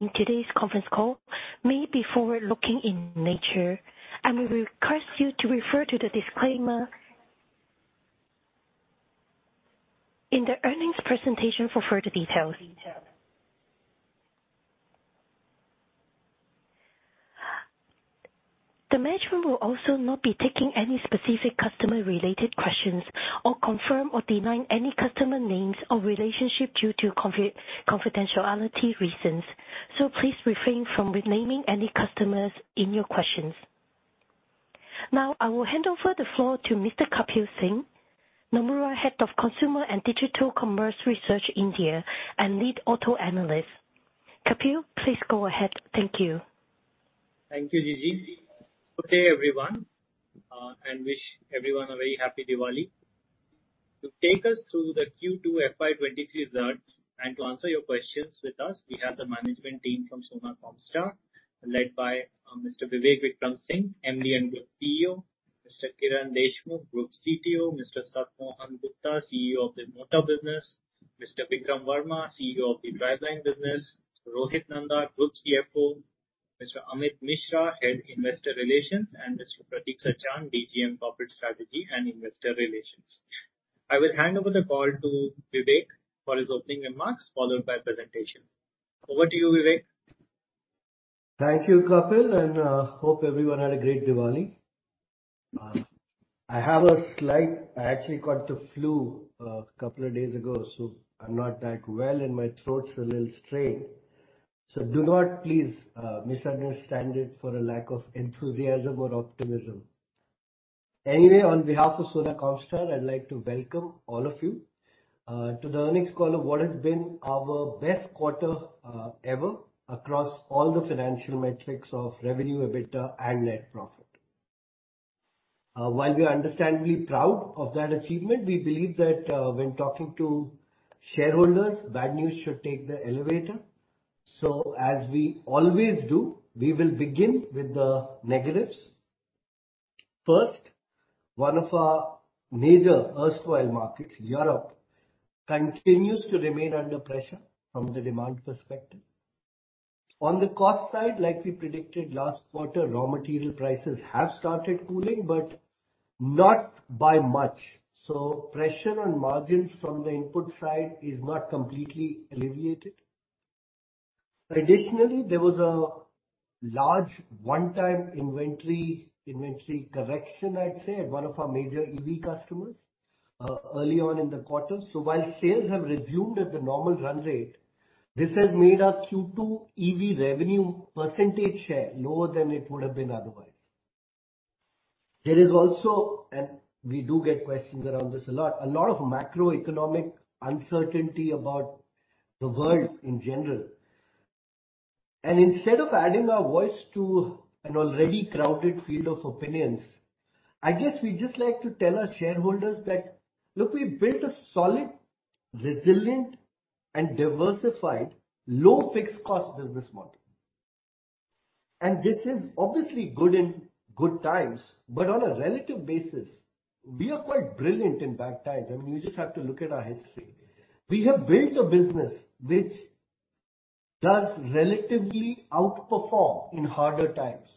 In today's conference call may be forward-looking in nature, and we request you to refer to the disclaimer in the earnings presentation for further details. The management will also not be taking any specific customer related questions or confirm or deny any customer names or relationship due to confidentiality reasons. Please refrain from naming customers in your questions. Now I will hand over the floor to Mr. Kapil Singh, Nomura's Head of Consumer and Digital Commerce Research, India, and Lead Auto Analyst. Kapil, please go ahead. Thank you. Thank you, Gigi. Okay, everyone, and wish everyone a very happy Diwali. To take us through the Q2 FY 2023 results and to answer your questions with us, we have the management team from Sona Comstar, led by Mr. Vivek Vikram Singh, MD and Group CEO, Mr. Kiran Deshmukh, Group CTO, Mr. Sat Mohan Gupta, CEO of the Motor business, Mr. Vikram Verma, CEO of the Driveline business, Rohit Nanda, Group CFO, Mr. Amit Mishra, Head Investor Relations, and Mr. Pratik Sachan, DGM Corporate Strategy and Investor Relations. I will hand over the call to Vivek for his opening remarks, followed by presentation. Over to you, Vivek. Thank you, Kapil, and hope everyone had a great Diwali. I actually caught the flu a couple of days ago, so I'm not that well, and my throat's a little strained. Do not please misunderstand it for a lack of enthusiasm or optimism. Anyway, on behalf of Sona Comstar, I'd like to welcome all of you to the earnings call of what has been our best quarter ever across all the financial metrics of revenue, EBITDA, and net profit. While we are understandably proud of that achievement, we believe that when talking to shareholders, bad news should take the elevator. As we always do, we will begin with the negatives. First, one of our major erstwhile markets, Europe, continues to remain under pressure from the demand perspective. On the cost side, like we predicted last quarter, raw material prices have started cooling, but not by much. Pressure on margins from the input side is not completely alleviated. Additionally, there was a large one-time inventory correction, I'd say, at one of our major EV customers early on in the quarter. While sales have resumed at the normal run rate, this has made our Q2 EV revenue percentage share lower than it would have been otherwise. There is also, and we do get questions around this a lot, a lot of macroeconomic uncertainty about the world in general. Instead of adding our voice to an already crowded field of opinions, I guess we just like to tell our shareholders that, look, we built a solid, resilient and diversified low fixed cost business model. This is obviously good in good times, but on a relative basis, we are quite brilliant in bad times. I mean, you just have to look at our history. We have built a business which does relatively outperform in harder times.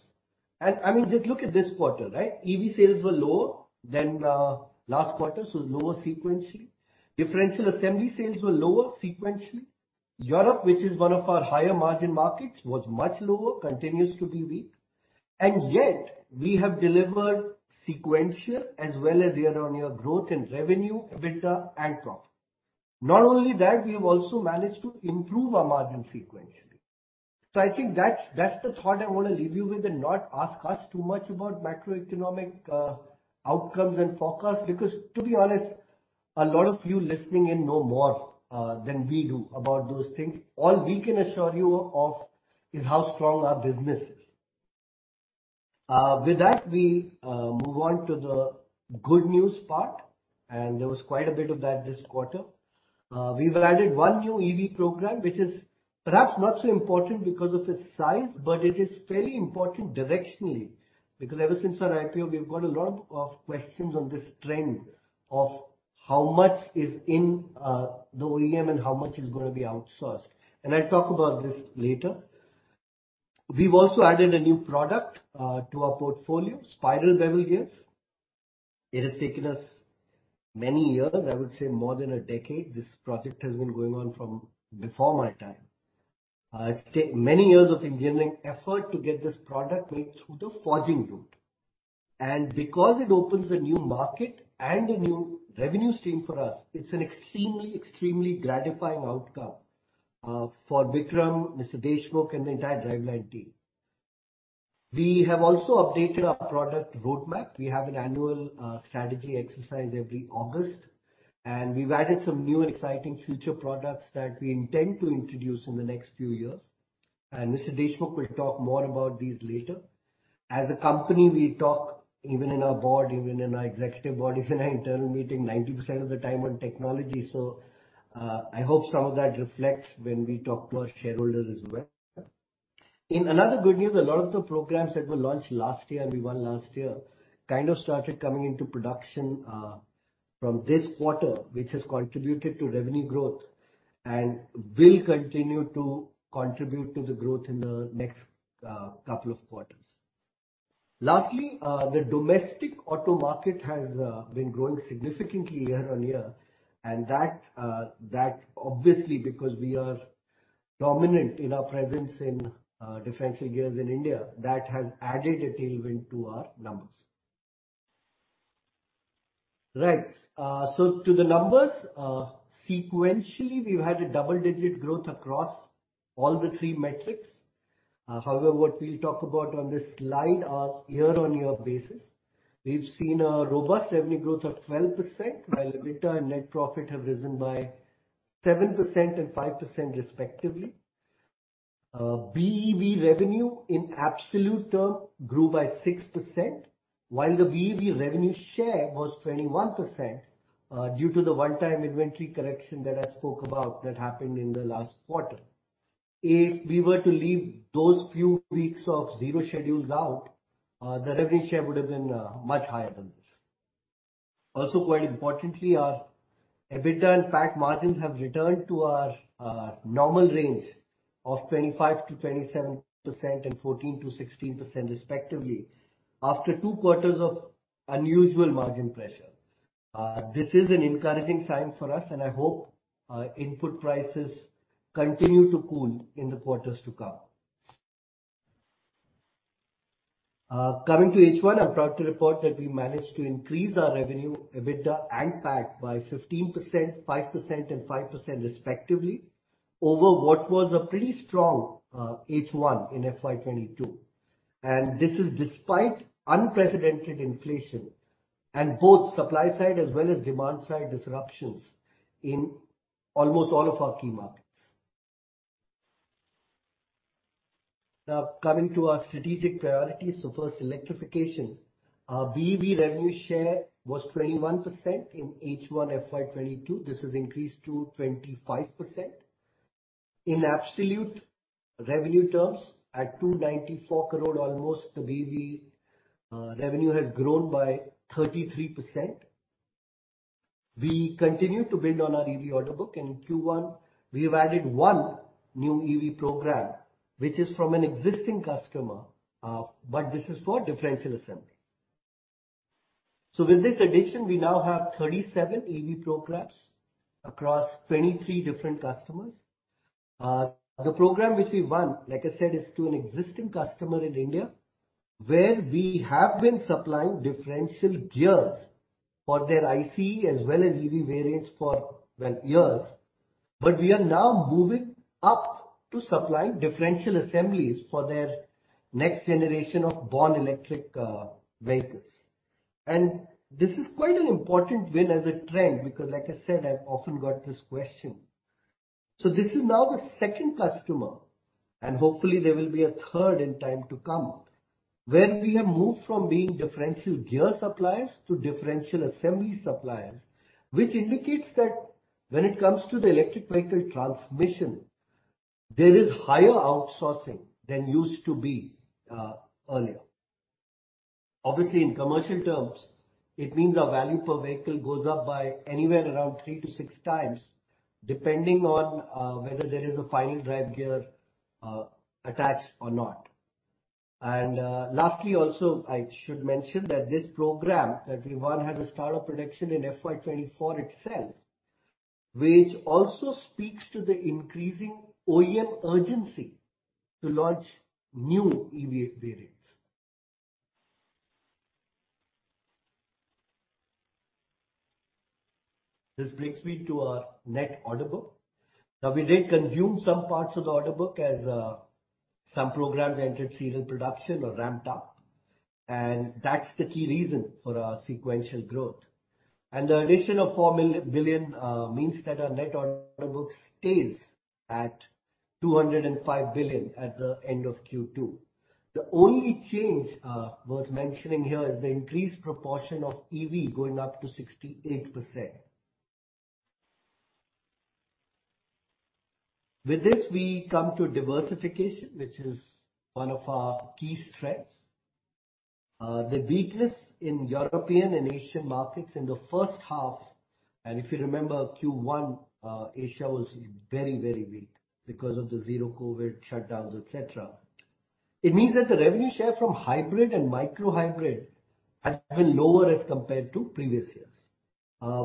I mean, just look at this quarter, right? EV sales were lower than last quarter, so lower sequentially. Differential assembly sales were lower sequentially. Europe, which is one of our higher margin markets, was much lower, continues to be weak. Yet we have delivered sequential as well as year-on-year growth in revenue, EBITDA and profit. Not only that, we have also managed to improve our margin sequentially. I think that's the thought I wanna leave you with and not ask us too much about macroeconomic outcomes and forecasts, because to be honest, a lot of you listening in know more than we do about those things. All we can assure you of is how strong our business is. With that, we move on to the good news part. There was quite a bit of that this quarter. We've added one new EV program, which is perhaps not so important because of its size, but it is fairly important directionally, because ever since our IPO, we've got a lot of questions on this trend of how much is in the OEM and how much is gonna be outsourced. I'll talk about this later. We've also added a new product to our portfolio, spiral bevel gears. It has taken us many years, I would say more than a decade. This project has been going on from before my time. It's taken many years of engineering effort to get this product made through the forging route. Because it opens a new market and a new revenue stream for us, it's an extremely gratifying outcome for Vikram, Mr. Deshmukh and the entire driveline team. We have also updated our product roadmap. We have an annual strategy exercise every August, and we've added some new and exciting future products that we intend to introduce in the next few years. Mr. Deshmukh will talk more about these later. As a company, we talk even in our board, even in our executive body, even in internal meeting 90% of the time on technology. I hope some of that reflects when we talk to our shareholders as well. In another good news, a lot of the programs that were launched last year and we won last year kind of started coming into production from this quarter, which has contributed to revenue growth and will continue to contribute to the growth in the next couple of quarters. Lastly, the domestic auto market has been growing significantly year-on-year, and that obviously because we are dominant in our presence in differential gears in India, that has added a tailwind to our numbers. Right. To the numbers, sequentially, we've had a double-digit growth across all the three metrics. However, what we'll talk about on this slide are year-on-year basis. We've seen a robust revenue growth of 12%, while EBITDA and net profit have risen by 7% and 5% respectively. BEV revenue in absolute terms grew by 6%, while the BEV revenue share was 21%, due to the one-time inventory correction that I spoke about that happened in the last quarter. If we were to leave those few weeks of zero schedules out, the revenue share would have been much higher than this. Also, quite importantly, our EBITDA and PAT margins have returned to our normal range of 25%-27% and 14%-16% respectively, after two quarters of unusual margin pressure. This is an encouraging sign for us, and I hope input prices continue to cool in the quarters to come. Coming to H1, I'm proud to report that we managed to increase our revenue, EBITDA and PAT by 15%, 5% and 5% respectively over what was a pretty strong H1 in FY 2022. This is despite unprecedented inflation and both supply side as well as demand side disruptions in almost all of our key markets. Now, coming to our strategic priorities. First, electrification. Our BEV revenue share was 21% in H1 FY 2022. This has increased to 25%. In absolute revenue terms, at 294 crore almost, the BEV revenue has grown by 33%. We continue to build on our EV order book, and in Q1, we have added one new EV program, which is from an existing customer, but this is for differential assembly. With this addition, we now have 37 EV programs across 23 different customers. The program which we won, like I said, is to an existing customer in India, where we have been supplying differential gears for their ICE as well as EV variants for years. But we are now moving up to supply differential assemblies for their next generation of born electric vehicles. This is quite an important win as a trend because like I said, I've often got this question. This is now the second customer, and hopefully there will be a third in time to come, where we have moved from being differential gear suppliers to differential assembly suppliers, which indicates that when it comes to the electric vehicle transmission, there is higher outsourcing than used to be earlier. Obviously, in commercial terms, it means our value per vehicle goes up by anywhere around 3-6 times, depending on whether there is a final drive gear attached or not. Lastly, also, I should mention that this program that we won has a startup production in FY 2024 itself, which also speaks to the increasing OEM urgency to launch new EV variants. This brings me to our net order book. Now, we did consume some parts of the order book as some programs entered serial production or ramped up, and that's the key reason for our sequential growth. The addition of 4 billion means that our net order book stays at 205 billion at the end of Q2. The only change worth mentioning here is the increased proportion of EV going up to 68%. With this, we come to diversification, which is one of our key strengths. The weakness in European and Asian markets in the first half, and if you remember Q1, Asia was very weak because of the zero COVID shutdowns, et cetera. It means that the revenue share from hybrid and micro-hybrid has been lower as compared to previous years,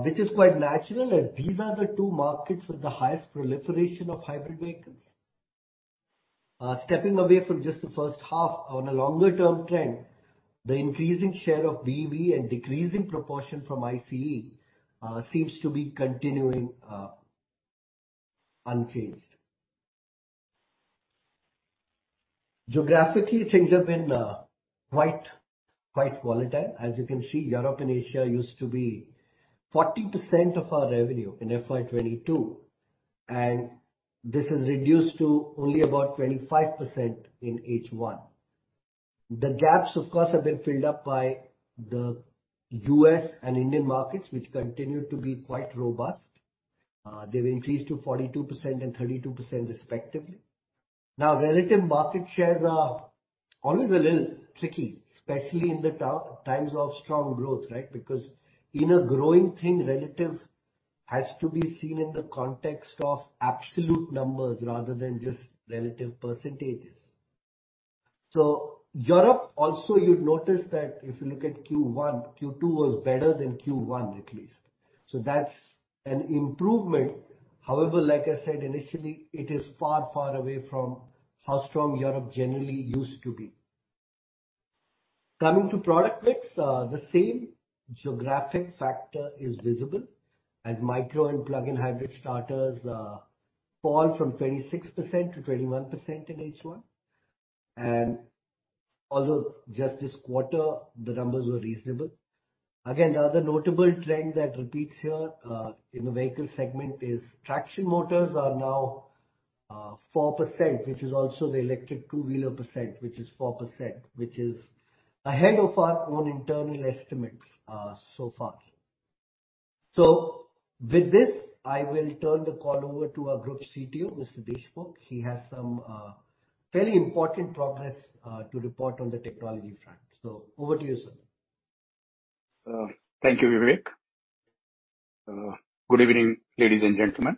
which is quite natural as these are the two markets with the highest proliferation of hybrid vehicles. Stepping away from just the first half on a longer term trend, the increasing share of BEV and decreasing proportion from ICE seems to be continuing, unchanged. Geographically, things have been quite volatile. As you can see, Europe and Asia used to be 40% of our revenue in FY 2022, and this has reduced to only about 25% in H1. The gaps, of course, have been filled up by the U.S. and Indian markets, which continue to be quite robust. They've increased to 42% and 32% respectively. Now, relative market shares are always a little tricky, especially in the times of strong growth, right? Because in a growing thing, relative has to be seen in the context of absolute numbers rather than just relative percentages. Europe also, you'll notice that if you look at Q1, Q2 was better than Q1, at least. That's an improvement. However, like I said initially, it is far, far away from how strong Europe generally used to be. Coming to product mix, the same geographic factor is visible as micro and plug-in hybrid starters fall from 26% to 21% in H1. Although just this quarter the numbers were reasonable. Again, the other notable trend that repeats here in the vehicle segment is traction motors are now 4%, which is also the electric two-wheeler percent, which is 4%, which is ahead of our own internal estimates so far. With this, I will turn the call over to our Group CTO, Mr. Deshmukh. He has some fairly important progress to report on the technology front. Over to you, sir. Thank you, Vivek. Good evening, ladies and gentlemen.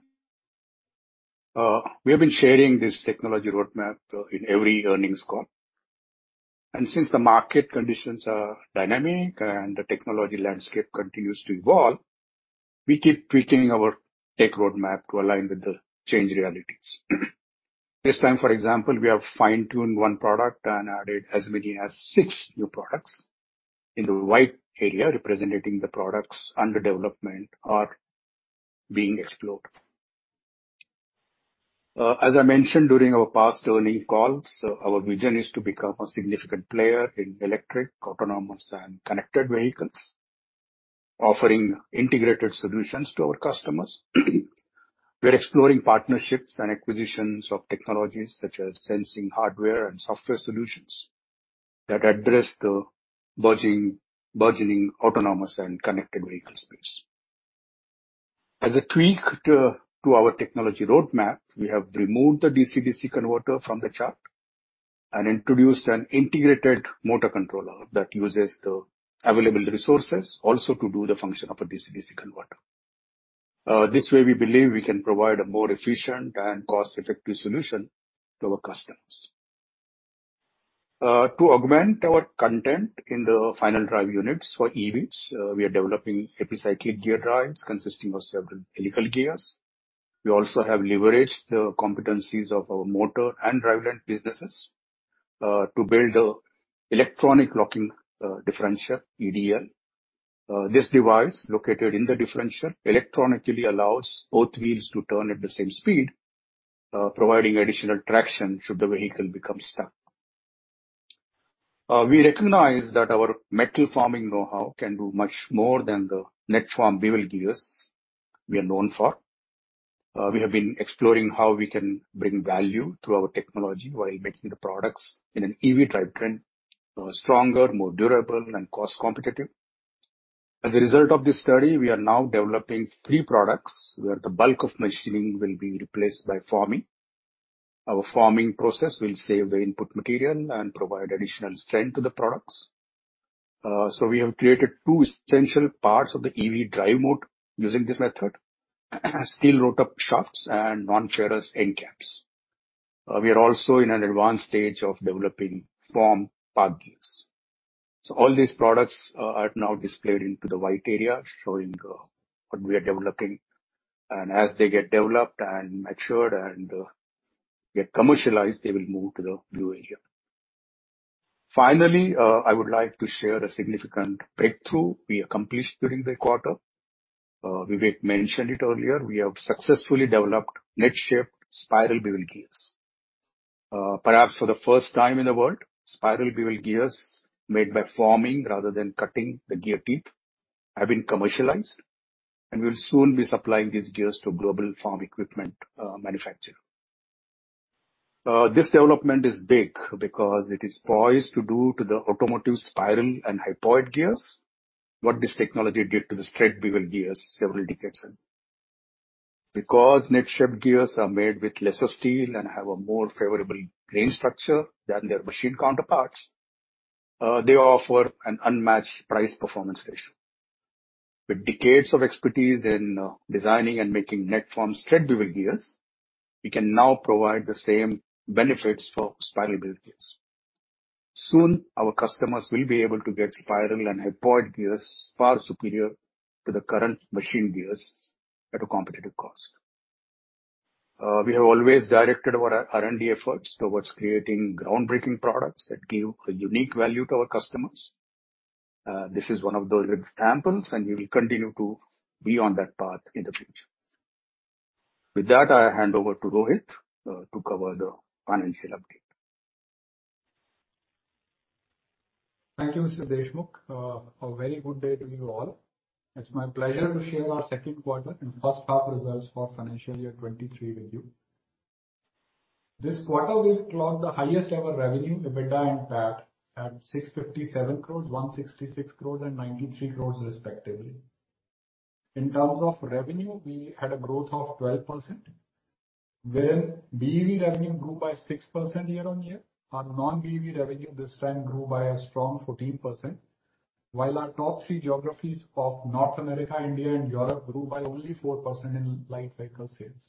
We have been sharing this technology roadmap in every earnings call, and since the market conditions are dynamic and the technology landscape continues to evolve, we keep tweaking our tech roadmap to align with the changed realities. This time, for example, we have fine-tuned one product and added as many as six new products in the white area representing the products under development or being explored. As I mentioned during our past earnings calls, our vision is to become a significant player in electric, autonomous and connected vehicles, offering integrated solutions to our customers. We are exploring partnerships and acquisitions of technologies such as sensing, hardware and software solutions that address the budding, burgeoning autonomous and connected vehicle space. As a tweak to our technology roadmap, we have removed the DC/DC converter from the chart and introduced an integrated motor controller that uses the available resources also to do the function of a DC/DC converter. This way we believe we can provide a more efficient and cost-effective solution to our customers. To augment our content in the final drive units for EVs, we are developing epicyclic gear drives consisting of several helical gears. We also have leveraged the competencies of our motor and drive train businesses to build an electronic locking differential (EDL). This device located in the differential electronically allows both wheels to turn at the same speed, providing additional traction should the vehicle become stuck. We recognize that our metal forming know-how can do much more than the net form bevel gears we are known for. We have been exploring how we can bring value through our technology while making the products in an EV drivetrain stronger, more durable, and cost-competitive. As a result of this study, we are now developing three products where the bulk of machining will be replaced by forming. Our forming process will save the input material and provide additional strength to the products. We have created two essential parts of the EV drive motor using this method, steel rotor shafts and non-ferrous end caps. We are also in an advanced stage of developing formed gears. All these products are now displayed in the white area, showing what we are developing. As they get developed and matured and get commercialized, they will move to the blue area. Finally, I would like to share a significant breakthrough we accomplished during the quarter. Vivek mentioned it earlier. We have successfully developed net-formed spiral bevel gears. Perhaps for the first time in the world, spiral bevel gears made by forming rather than cutting the gear teeth have been commercialized, and we'll soon be supplying these gears to a global farm equipment manufacturer. This development is big because it is poised to do to the automotive spiral and hypoid gears what this technology did to the straight bevel gears several decades ago. Because net-formed gears are made with lesser steel and have a more favorable grain structure than their machine counterparts, they offer an unmatched price performance ratio. With decades of expertise in designing and making net-formed straight bevel gears, we can now provide the same benefits for spiral bevel gears. Soon our customers will be able to get spiral and hypoid gears far superior to the current machined gears at a competitive cost. We have always directed our R&D efforts toward creating groundbreaking products that give a unique value to our customers. This is one of those examples, and we will continue to be on that path in the future. With that, I hand over to Rohit to cover the financial update. Thank you, Mr. Deshmukh. A very good day to you all. It's my pleasure to share our second quarter and first half results for financial year 2023 with you. This quarter we've clocked the highest ever revenue, EBITDA and PAT at 657 crores, 166 crores and 93 crores respectively. In terms of revenue, we had a growth of 12%, where BEV revenue grew by 6% year-on-year. Our non-BEV revenue this time grew by a strong 14%, while our top three geographies of North America, India and Europe grew by only 4% in light vehicle sales.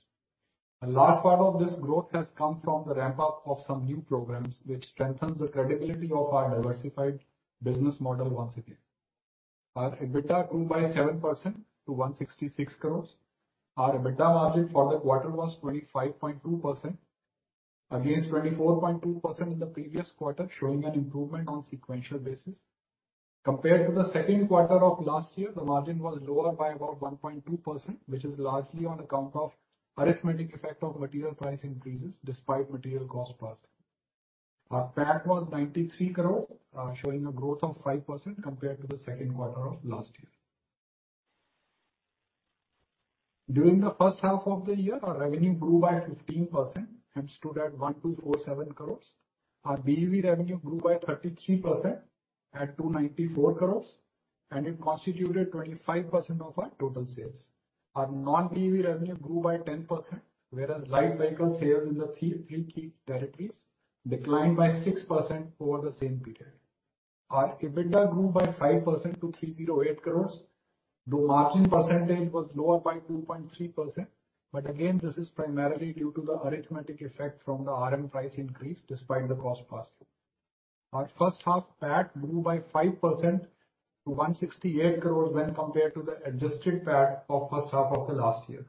A large part of this growth has come from the ramp up of some new programs which strengthens the credibility of our diversified business model once again. Our EBITDA grew by 7% to 166 crores. Our EBITDA margin for the quarter was 25.2% against 24.2% in the previous quarter, showing an improvement on sequential basis. Compared to the second quarter of last year, the margin was lower by about 1.2%, which is largely on account of arithmetic effect of material price increases despite material cost pass. Our PAT was 93 crores, showing a growth of 5% compared to the second quarter of last year. During the first half of the year, our revenue grew by 15% and stood at 1,247 crores. Our BEV revenue grew by 33% at 294 crores, and it constituted 25% of our total sales. Our non-BEV revenue grew by 10%, whereas light vehicle sales in the three key territories declined by 6% over the same period. Our EBITDA grew by 5% to 308 crores, though margin percentage was lower by 2.3%. Again, this is primarily due to the arithmetic effect from the RM price increase despite the cost pass. Our first half PAT grew by 5% to 168 crores when compared to the adjusted PAT of first half of the last year.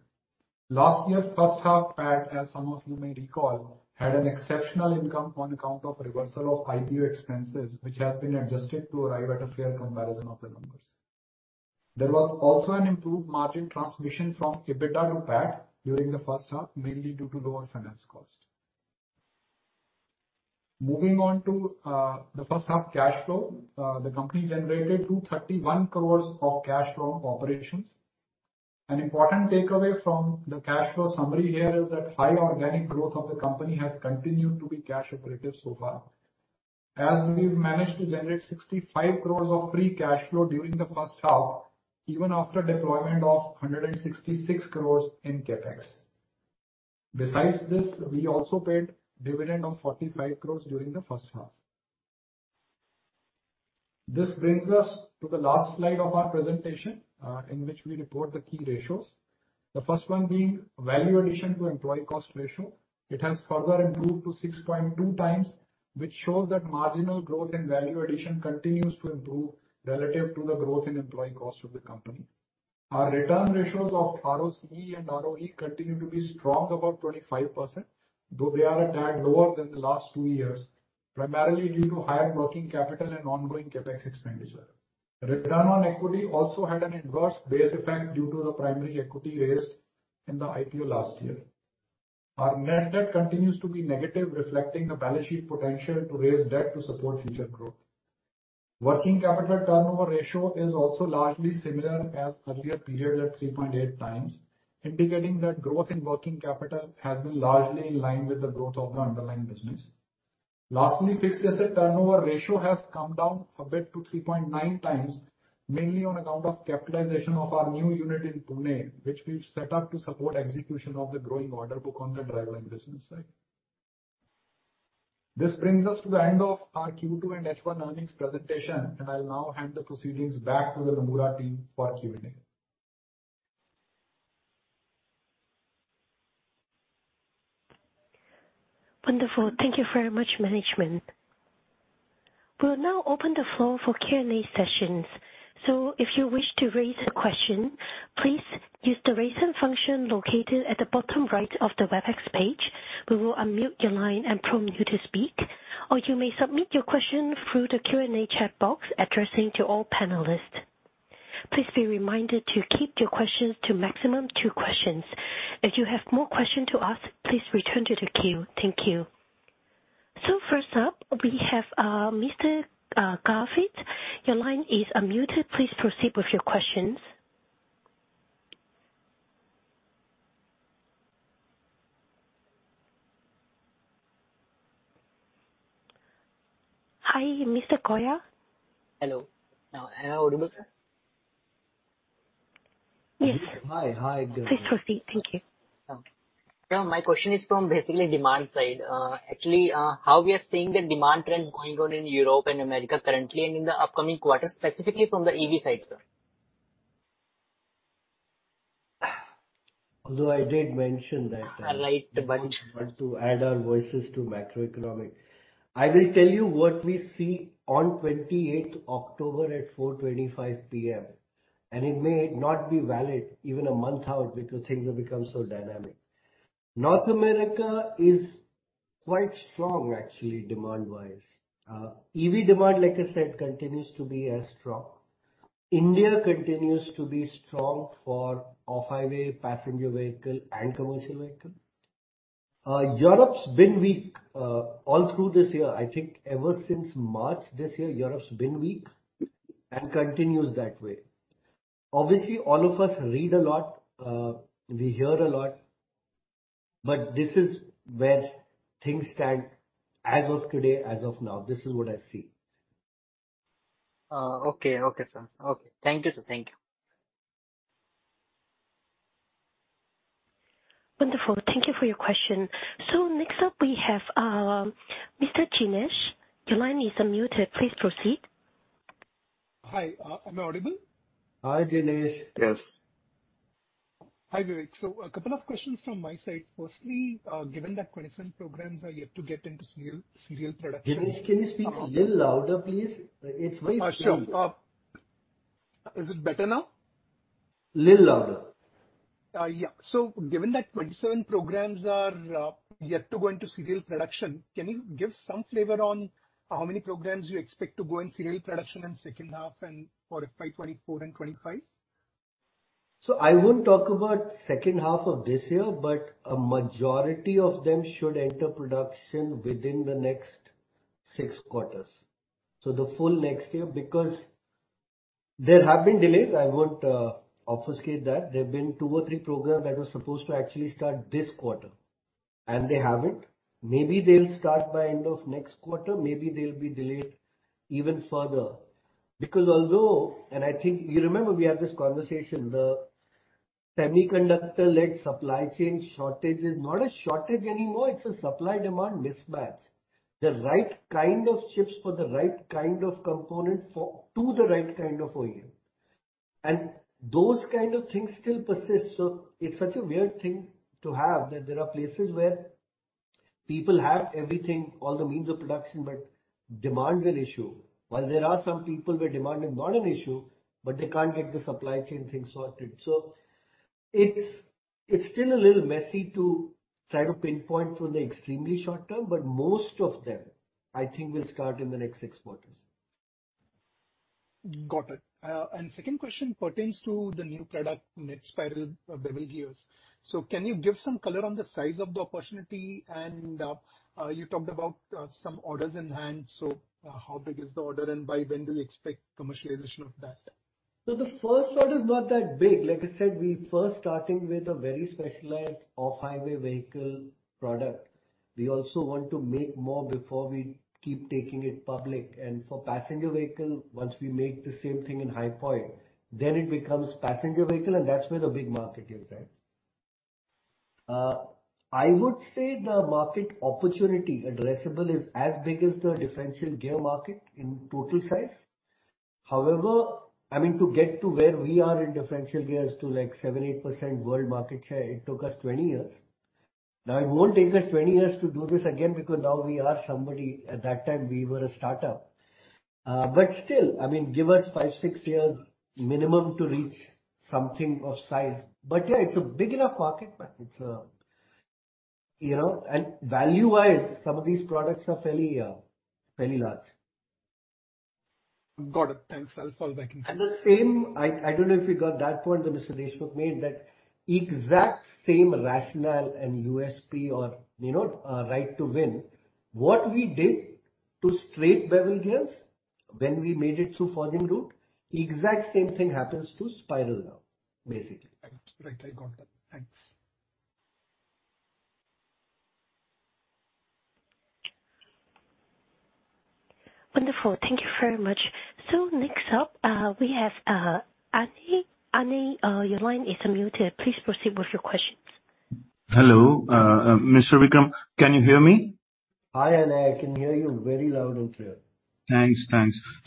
Last year's first half PAT, as some of you may recall, had an exceptional income on account of reversal of IPO expenses, which has been adjusted to arrive at a fair comparison of the numbers. There was also an improved margin transmission from EBITDA to PAT during the first half, mainly due to lower finance cost. Moving on to the first half cash flow. The company generated 231 crores of cash from operations. An important takeaway from the cash flow summary here is that high organic growth of the company has continued to be cash accretive so far, as we've managed to generate 65 crores of free cash flow during the first half, even after deployment of 166 crores in CapEx. Besides this, we also paid dividend of 45 crores during the first half. This brings us to the last slide of our presentation, in which we report the key ratios. The first one being value addition to employee cost ratio. It has further improved to 6.2x, which shows that marginal growth and value addition continues to improve relative to the growth in employee cost of the company. Our return ratios of ROCE and ROE continue to be strong, about 25%, though they are a tad lower than the last two years, primarily due to higher working capital and ongoing CapEx expenditure. Return on equity also had an adverse base effect due to the primary equity raised in the IPO last year. Our net debt continues to be negative, reflecting the balance sheet potential to raise debt to support future growth. Working capital turnover ratio is also largely similar as earlier period at 3.8x, indicating that growth in working capital has been largely in line with the growth of the underlying business. Lastly, asset turnover ratio has come down a bit to 3.9x, mainly on account of capitalization of our new unit in Pune, which we've set up to support execution of the growing order book on the driveline business side. This brings us to the end of our Q2 and H1 earnings presentation, and I'll now hand the proceedings back to the Nomura team for Q&A. Wonderful. Thank you very much, management. We'll now open the floor for Q&A sessions. If you wish to raise a question, please use the Raise Hand function located at the bottom right of the Webex page. We will unmute your line and prompt you to speak. Or you may submit your question through the Q&A chat box addressing to all panelists. Please be reminded to keep your questions to maximum two questions. If you have more question to ask, please return to the queue. Thank you. First up, we have, Mr. Garvit. Your line is unmuted. Please proceed with your questions. Hi, Mr. Goyal. Hello. Am I audible, sir? Yes. Hi. Hi. Good morning. Please proceed. Thank you. Okay. Yeah, my question is from basically demand side. Actually, how we are seeing the demand trends going on in Europe and America currently and in the upcoming quarters, specifically from the EV side, sir? Although I did mention that. I'd like to bunch- To add our voices to macroeconomic. I will tell you what we see on 28 October at 4:25 P.M., and it may not be valid even a month out because things have become so dynamic. North America is quite strong actually, demand wise. EV demand, like I said, continues to be strong. India continues to be strong for off-highway passenger vehicle and commercial vehicle. Europe's been weak all through this year. I think ever since March this year, Europe's been weak and continues that way. Obviously, all of us read a lot, we hear a lot, but this is where things stand as of today, as of now. This is what I see. Okay. Okay, sir. Okay. Thank you, sir. Thank you. Wonderful. Thank you for your question. Next up we have, Mr. Jinesh. Your line is unmuted. Please proceed. Hi. Am I audible? Hi, Jinesh. Yes. Hi, Vivek. A couple of questions from my side. Firstly, given that 27 programs are yet to get into serial production. Jinesh, can you speak a little louder, please? It's very faint. Sure. Is it better now? Little louder. Given that 27 programs are yet to go into serial production, can you give some flavor on how many programs you expect to go in serial production in second half and for FY 2024 and 2025? I won't talk about second half of this year, but a majority of them should enter production within the next six quarters. The full next year, because there have been delays, I won't obfuscate that. There have been two or three programs that were supposed to actually start this quarter, and they haven't. Maybe they'll start by end of next quarter. Maybe they'll be delayed even further. Because although I think you remember we had this conversation, the semiconductor-led supply chain shortage is not a shortage anymore, it's a supply demand mismatch. The right kind of chips for the right kind of component to the right kind of OEM. Those kind of things still persist, so it's such a weird thing to have, that there are places where people have everything, all the means of production, but demand's an issue. While there are some people where demand is not an issue, but they can't get the supply chain thing sorted. It's still a little messy to try to pinpoint for the extremely short term, but most of them, I think, will start in the next six quarters. Got it. Second question pertains to the new product net-formed spiral bevel gears. Can you give some color on the size of the opportunity? You talked about some orders in hand, so how big is the order and by when do you expect commercialization of that? The first order is not that big. Like I said, we first starting with a very specialized off-highway vehicle product. We also want to make more before we keep taking it public. For passenger vehicle, once we make the same thing in high point, then it becomes passenger vehicle, and that's where the big market is at. I would say the market opportunity addressable is as big as the differential gear market in total size. However, I mean, to get to where we are in differential gears, like, 7%-8% world market share, it took us 20 years. Now, it won't take us 20 years to do this again because now we are somebody. At that time, we were a startup. Still, I mean, give us 5-6 years minimum to reach something of size. Yeah, it's a big enough market, but it's, you know. Value-wise, some of these products are fairly large. Got it. Thanks. I'll fall back in queue. The same, I don't know if you got that point that Mr. Deshmukh made, that exact same rationale and USP or, you know, right to win, what we did to straight bevel gears when we made it through forging route, exact same thing happens to spiral now, basically. Right. Right. I got that. Thanks. Wonderful. Thank you very much. Next up, we have, Anay. Anay, your line is unmuted. Please proceed with your questions. Hello. Mr. Vikram, can you hear me? Hi, Anay. I can hear you very loud and clear. Thanks.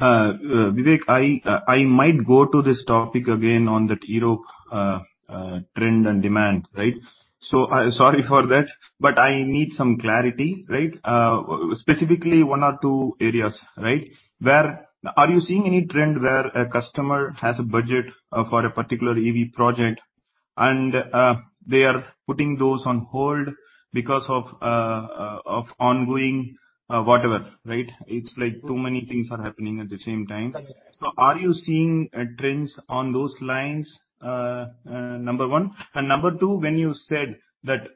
Vivek, I might go to this topic again on that Europe trend and demand, right? Sorry for that, but I need some clarity, right? Specifically one or two areas, right? Where are you seeing any trend where a customer has a budget for a particular EV project and they are putting those on hold because of ongoing whatever, right? It's like too many things are happening at the same time. Right. Are you seeing trends on those lines? Number one. Number two, when you said that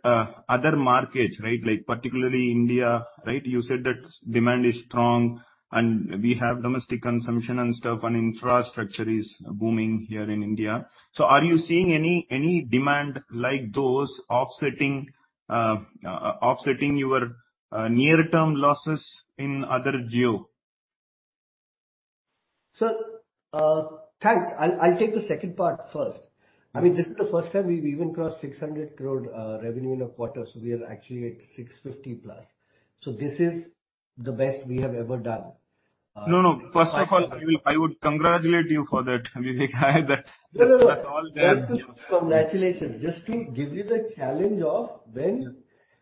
other markets, right, like particularly India, right? You said that demand is strong and we have domestic consumption and stuff and infrastructure is booming here in India. Are you seeing any demand like those offsetting your near-term losses in other geo? Sir, thanks. I'll take the second part first. I mean, this is the first time we've even crossed 600 crore revenue in a quarter, so we are actually at 650+ crore. This is the best we have ever done. No, no. First of all, I would congratulate you for that, Vivek. No, no. Not for congratulations. Just to give you the challenge of when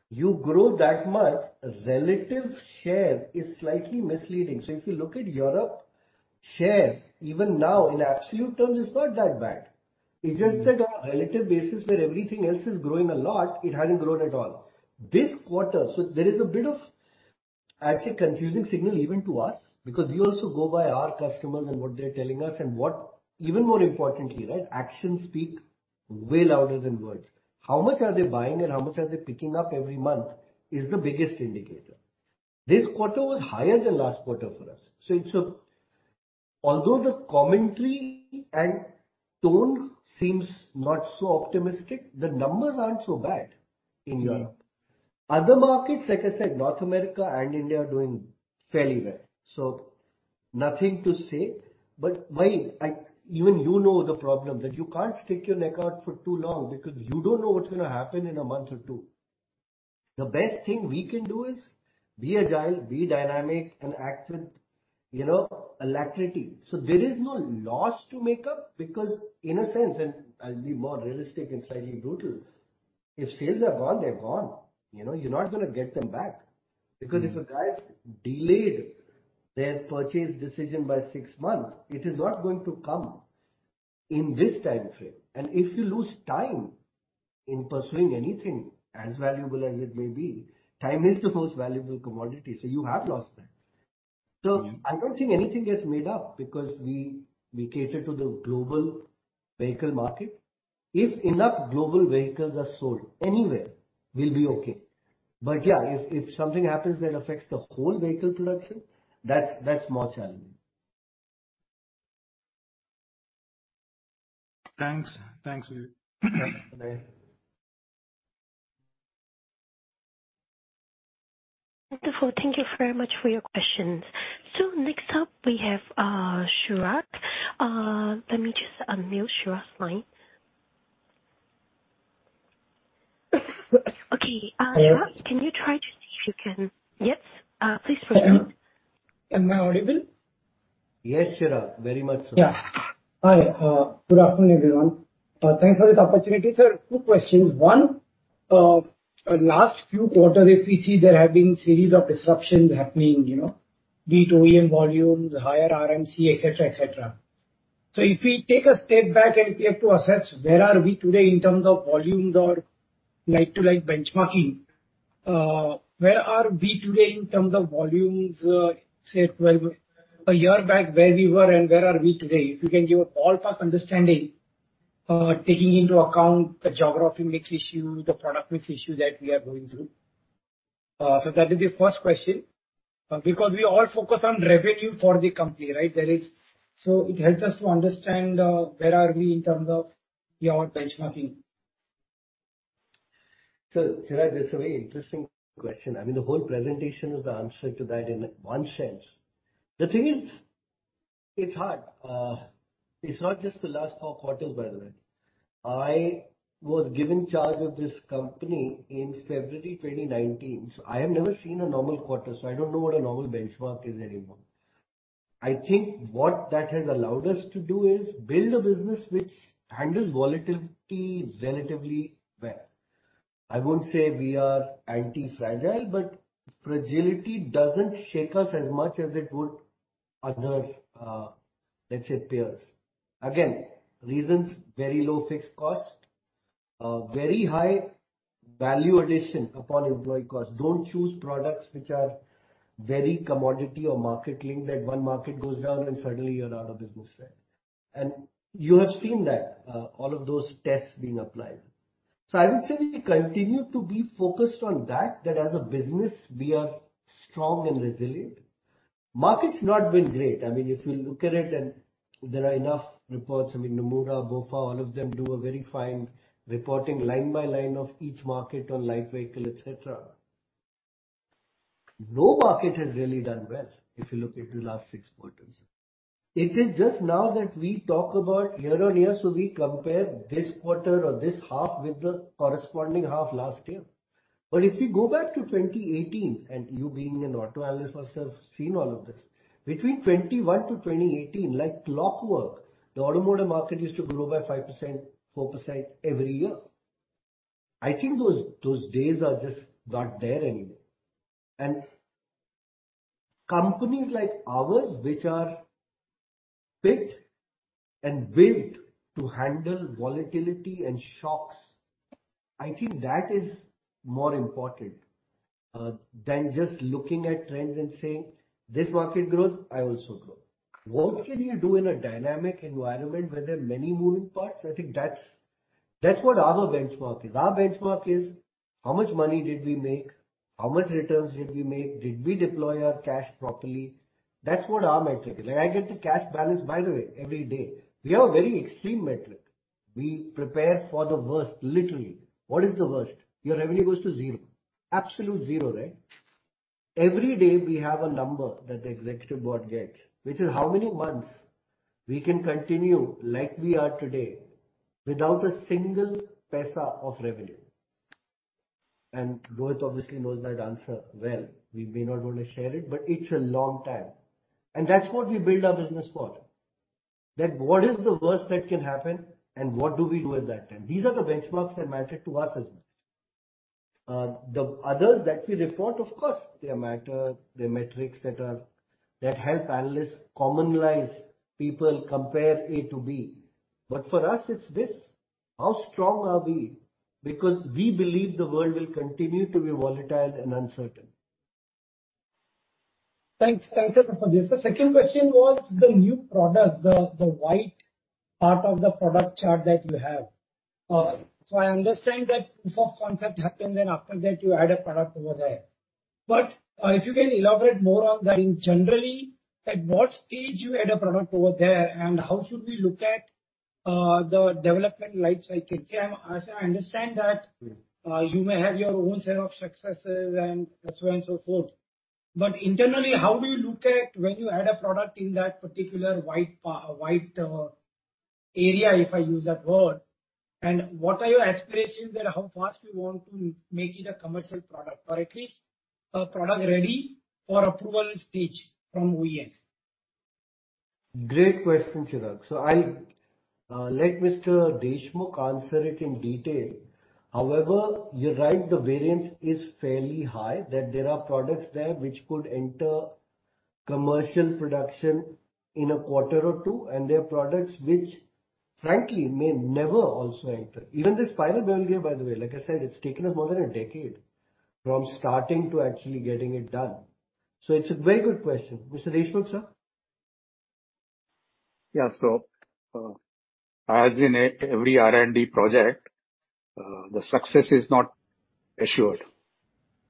you grow that much, relative share is slightly misleading. If you look at Europe, share even now in absolute terms is not that bad. Mm-hmm. It's just that on a relative basis where everything else is growing a lot, it hadn't grown at all. This quarter, so there is a bit of actually confusing signal even to us because we also go by our customers and what they're telling us and what even more importantly, right, actions speak way louder than words. How much are they buying and how much are they picking up every month is the biggest indicator. This quarter was higher than last quarter for us. It's a, although the commentary and tone seems not so optimistic, the numbers aren't so bad in Europe. Other markets, like I said, North America and India are doing fairly well. Nothing to say, but why I even, you know, the problem, that you can't stick your neck out for too long because you don't know what's gonna happen in a month or two. The best thing we can do is be agile, be dynamic, and act with, you know, alacrity. There is no loss to make up because in a sense, and I'll be more realistic and slightly brutal, if sales are gone, they're gone. You know, you're not gonna get them back. Because if a guy's delayed their purchase decision by six months, it is not going to come in this time frame. If you lose time in pursuing anything, as valuable as it may be, time is the most valuable commodity, so you have lost that. Mm-hmm. I don't think anything gets made up because we cater to the global vehicle market. If enough global vehicles are sold anywhere, we'll be okay. Yeah, if something happens that affects the whole vehicle production, that's more challenging. Thanks. Thanks, Vivek. Thanks. Bye-bye. Wonderful. Thank you very much for your questions. Next up we have Chirag. Let me just unmute Chirag's line. Okay. Hello. Chirag, yes. Please proceed. Am I audible? Yes, Chirag, very much so. Good afternoon, everyone. Thanks for this opportunity, sir. Two questions. One, last few quarters if we see there have been series of disruptions happening, you know, be it OEM volumes, higher RMC, et cetera, et cetera. If we take a step back and if we have to assess where are we today in terms of volumes or like-to-like benchmarking, where are we today in terms of volumes, a year back where we were and where are we today? If you can give a ballpark understanding, taking into account the geography mix issue, the product mix issue that we are going through. That is the first question. Because we all focus on revenue for the company, right? It helps us to understand where are we in terms of year-over-year benchmarking. Chirag, that's a very interesting question. I mean, the whole presentation is the answer to that in one sense. The thing is, it's hard. It's not just the last four quarters, by the way. I was given charge of this company in February 2019. I have never seen a normal quarter, so I don't know what a normal benchmark is anymore. I think what that has allowed us to do is build a business which handles volatility relatively well. I won't say we are anti-fragile, but fragility doesn't shake us as much as it would other, let's say peers. Again, reasons, very low fixed cost, very high value addition upon employee cost. Don't choose products which are very commodity or market linked, that one market goes down and suddenly you're out of business, right? You have seen that, all of those tests being applied. I would say we continue to be focused on that as a business, we are strong and resilient. Market's not been great. I mean, if you look at it, and there are enough reports, I mean, Nomura, BofA, all of them do a very fine reporting line by line of each market on light vehicle, et cetera. No market has really done well, if you look at the last six quarters. It is just now that we talk about year-on-year, so we compare this quarter or this half with the corresponding half last year. If you go back to 2018, and you being an auto analyst must have seen all of this, between 2018 to 2021, like clockwork, the automotive market used to grow by 5%, 4% every year. I think those days are just not there anymore. companies like ours, which are fit and built to handle volatility and shocks, I think that is more important than just looking at trends and saying, "This market grows, I also grow." What can you do in a dynamic environment where there are many moving parts? I think that's what our benchmark is. Our benchmark is how much money did we make? How much returns did we make? Did we deploy our cash properly? That's what our metric is. I get the cash balance, by the way, every day. We have a very extreme metric. We prepare for the worst, literally. What is the worst? Your revenue goes to zero. Absolute zero, right? Every day we have a number that the executive board gets, which is how many months we can continue like we are today without a single paisa of revenue. Rohit obviously knows that answer well. We may not wanna share it, but it's a long time. That's what we build our business for. That what is the worst that can happen and what do we do at that time? These are the benchmarks that matter to us as much. The others that we report, of course, they matter. They're metrics that help analysts canalize, people compare A to B. For us, it's this, how strong are we? Because we believe the world will continue to be volatile and uncertain. Thanks. Thank you for this. The second question was the new product, the white part of the product chart that you have. So I understand that proof of concept happened, and after that you add a product over there. But if you can elaborate more on that, in general, at what stage you add a product over there and how should we look at the development life cycle? See, I understand that you may have your own set of successes and so on and so forth, but internally, how do you look at when you add a product in that particular white area, if I use that word, and what are your aspirations there? How fast you want to make it a commercial product? Or at least a product ready for approval stage from OEMs. Great question, Chirag. I let Mr. Deshmukh answer it in detail. However, you're right, the variance is fairly high, that there are products there which could enter commercial production in a quarter or two, and there are products which frankly may never also enter. Even the spiral bevel gear, by the way, like I said, it's taken us more than a decade from starting to actually getting it done. It's a very good question. Mr. Deshmukh, sir. As in every R&D project, the success is not assured,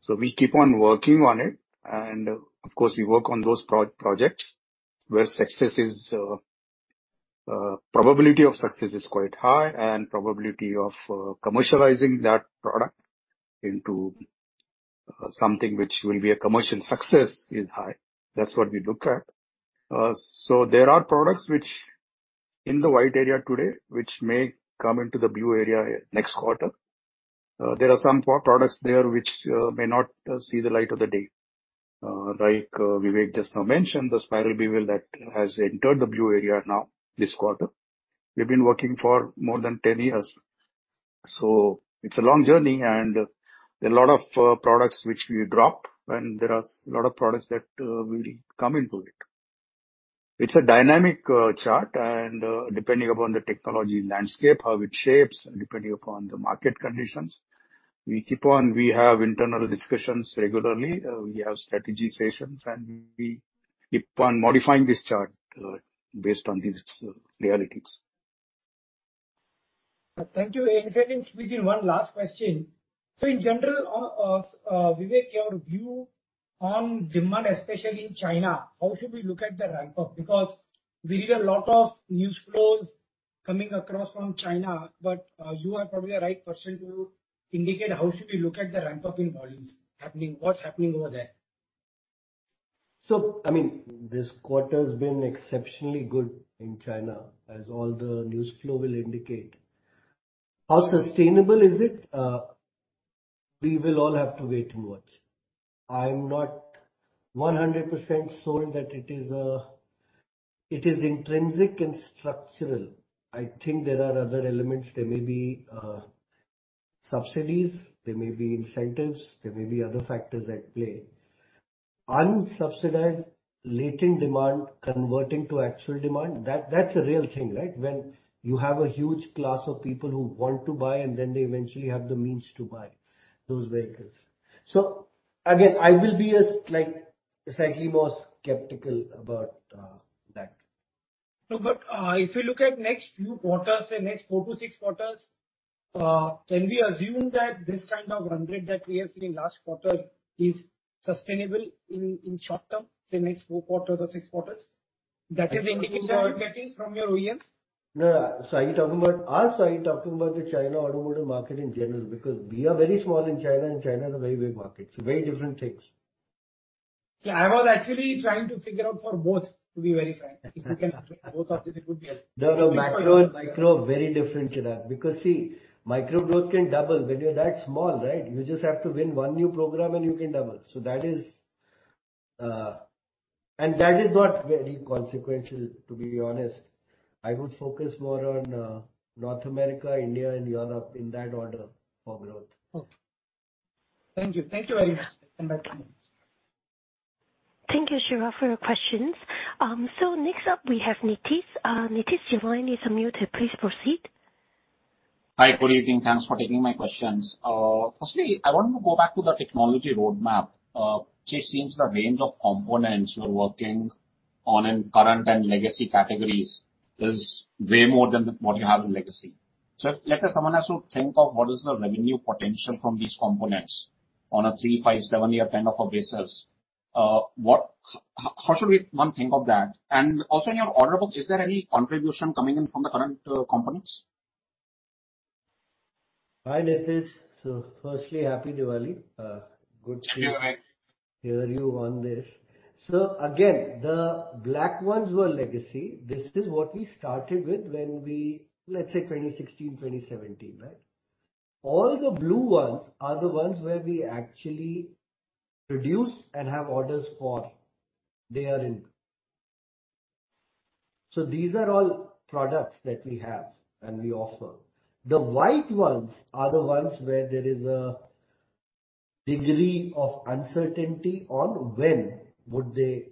so we keep on working on it. Of course, we work on those projects where probability of success is quite high and probability of commercializing that product into something which will be a commercial success is high. That's what we look at. There are products which in the white area today, which may come into the blue area next quarter. There are some products there which may not see the light of the day. Vivek just now mentioned the spiral bevel that has entered the blue area now, this quarter. We've been working for more than 10 years. It's a long journey and there are a lot of products which we drop and there are a lot of products that will come into it. It's a dynamic chart and depending upon the technology landscape, how it shapes, depending upon the market conditions, we have internal discussions regularly. We have strategy sessions and we keep on modifying this chart based on these realities. Thank you. If I can squeeze in one last question. In general, Vivek, your view on demand, especially in China, how should we look at the ramp up? Because we read a lot of news flows coming across from China. You are probably the right person to indicate how should we look at the ramp up in volumes happening, what's happening over there. I mean, this quarter's been exceptionally good in China, as all the news flow will indicate. How sustainable is it? We will all have to wait and watch. I'm not 100% sure that it is intrinsic and structural. I think there are other elements. There may be subsidies, there may be incentives, there may be other factors at play. Unsubsidized latent demand converting to actual demand, that's a real thing, right? When you have a huge class of people who want to buy and then they eventually have the means to buy those vehicles. Again, I will be, like, slightly more skeptical about that. No, but if you look at next few quarters, the next 4-6 quarters, can we assume that this kind of run rate that we have seen last quarter is sustainable in short term, the next four quarters or six quarters? That is the indication I'm getting from your OEMs. No. Are you talking about us or are you talking about the China automotive market in general? Because we are very small in China, and China is a very big market, so very different things. Yeah, I was actually trying to figure out for both, to be very frank. If you can address both of it would be helpful. No, micro, very different, Chirag. Because see, micro growth can double when you're that small, right? You just have to win one new program and you can double. So that is not very consequential, to be honest. I would focus more on North America, India and Europe in that order for growth. Okay. Thank you. Thank you very much. Hand back to you. Thank you, Chirag, for your questions. Next up we have Nitij. Nitij, your line is unmuted. Please proceed. Hi, good evening. Thanks for taking my questions. Firstly, I want to go back to the technology roadmap. Just seeing the range of components you're working on in current and legacy categories is way more than what you have in legacy. Let's say someone has to think of what is the revenue potential from these components on a three, five, seven-year kind of a basis, how should we, one, think of that? Also in your order book, is there any contribution coming in from the current components? Hi, Nitij. Firstly, Happy Diwali. Yeah, hi. Good to hear you on this. Again, the black ones were legacy. This is what we started with when we, let's say 2016, 2017, right? All the blue ones are the ones where we actually produce and have orders for. They are in. These are all products that we have and we offer. The white ones are the ones where there is a degree of uncertainty on when would they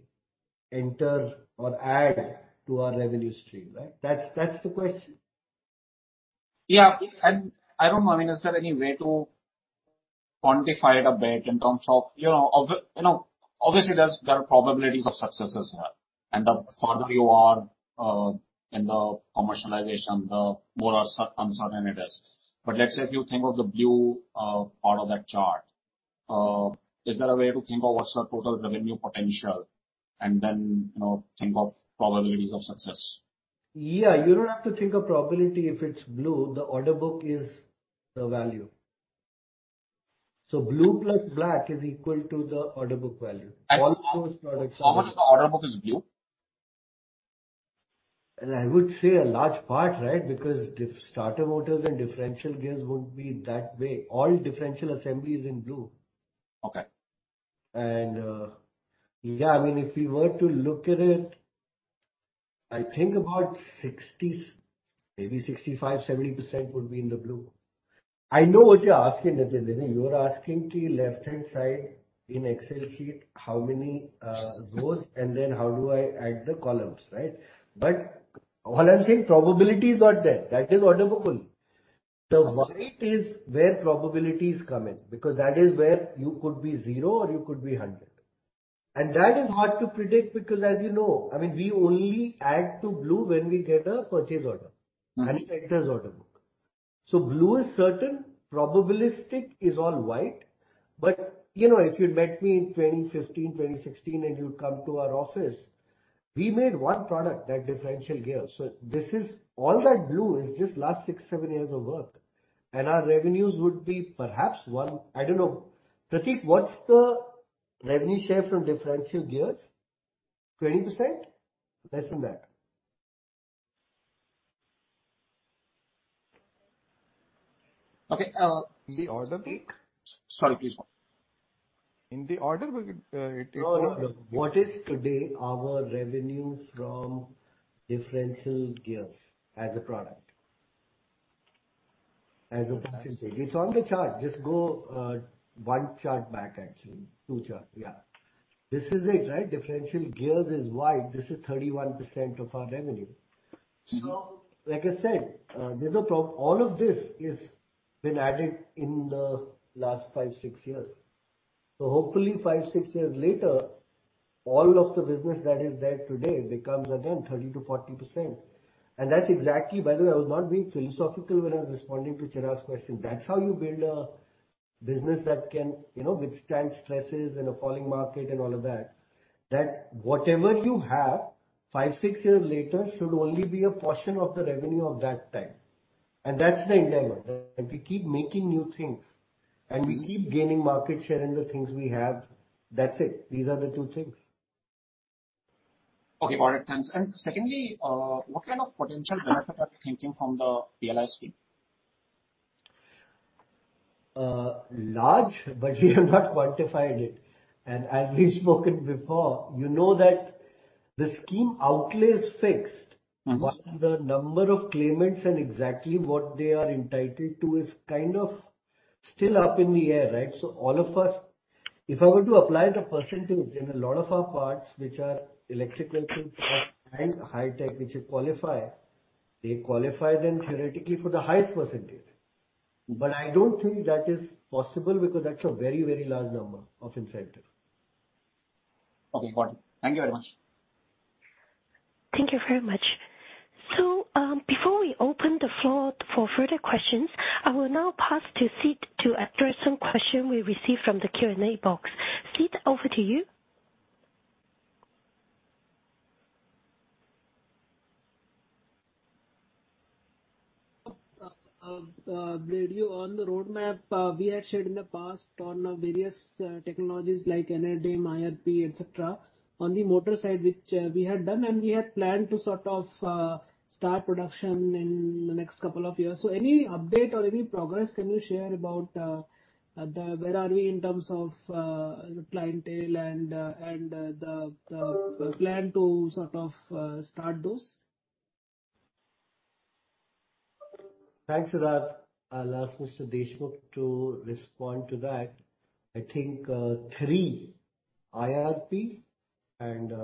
enter or add to our revenue stream, right? That's the question. I don't know. I mean, is there any way to quantify it a bit in terms of, you know, obviously, there are probabilities of success as well. The farther you are in the commercialization, the more uncertain it is. Let's say if you think of the blue part of that chart, is there a way to think of what's the total revenue potential and then, you know, think of probabilities of success? Yeah. You don't have to think of probability if it's blue. The order book is the value. Blue plus black is equal to the order book value. All those products are. How much of the order book is blue? I would say a large part, right? Because the starter motors and differential gears would be that way. All differential assembly is in blue. Okay. I mean, if we were to look at it, I think about 60%, maybe 65%, 70% would be in the blue. I know what you're asking, Nitij. You're asking the left-hand side in Excel sheet, how many rows and then how do I add the columns, right? But all I'm saying probability is not there. That is order book only. The white is where probabilities come in, because that is where you could be zero or you could be 100. That is hard to predict because as you know, I mean, we only add to blue when we get a purchase order. Mm-hmm. It enters order book. Blue is certain, probabilistic is all white. You know, if you'd met me in 2015, 2016, and you'd come to our office, we made one product, that differential gears. This is all that blue is just last six, seven years of work. Our revenues would be perhaps one, I don't know. Pratik, what's the revenue share from differential gears? 20%? Less than that. Okay. The order book. Sorry, please. In the order book, it is. No, no. What is today our revenue from differential gears as a product? As a percentage. It's on the chart. Just go, one chart back, actually. Two charts. Yeah. This is it, right? Differential gears is white. This is 31% of our revenue. Like I said, all of this has been added in the last five, six years. Hopefully five, six years later, all of the business that is there today becomes again 30%-40%. That's exactly. By the way, I was not being philosophical when I was responding to Chirag's question. That's how you build a business that can, you know, withstand stresses in a falling market and all of that. That whatever you have, five, six years later should only be a portion of the revenue of that time. That's the endeavor. We keep making new things, and we keep gaining market share in the things we have. That's it. These are the two things. Okay. Got it. Thanks. Secondly, what kind of potential benefit are you thinking from the PLI scheme? Large, but we have not quantified it. As we've spoken before, you know that the scheme outlay is fixed. Mm-hmm. The number of claimants and exactly what they are entitled to is kind of still up in the air, right? All of us, if I were to apply the percentage in a lot of our parts, which are electrical parts and high-tech, which you qualify, they qualify then theoretically for the highest percentage. I don't think that is possible because that's a very, very large number of incentive. Okay. Got it. Thank you very much. Thank you very much. Before we open the floor for further questions, I will now pass to Sid to address some question we received from the Q&A box. Sid, over to you. On the roadmap, we had shared in the past on various technologies like Enedym, IRP, et cetera, on the motor side, which we had done, and we had planned to sort of start production in the next couple of years. Any update or any progress can you share about where we are in terms of the clientele and the plan to sort of start those? Thanks, Siddharth. I'll ask Mr. Deshmukh to respond to that. I think three, IRP, Enedym,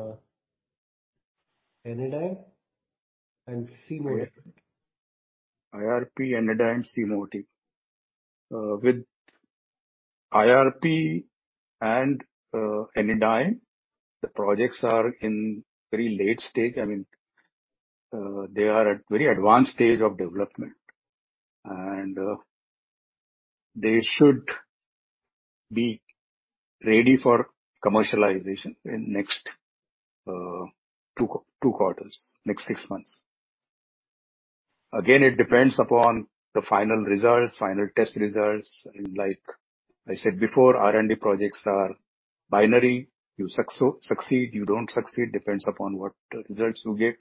and C-Motive. IRP, Enedym, and C-Motive. With IRP and Enedym, the projects are in very late stage. I mean, they are at very advanced stage of development, and they should be ready for commercialization in next two quarters, next six months. Again, it depends upon the final results, final test results, and like I said before, R&D projects are binary. You succeed, you don't succeed, depends upon what results you get.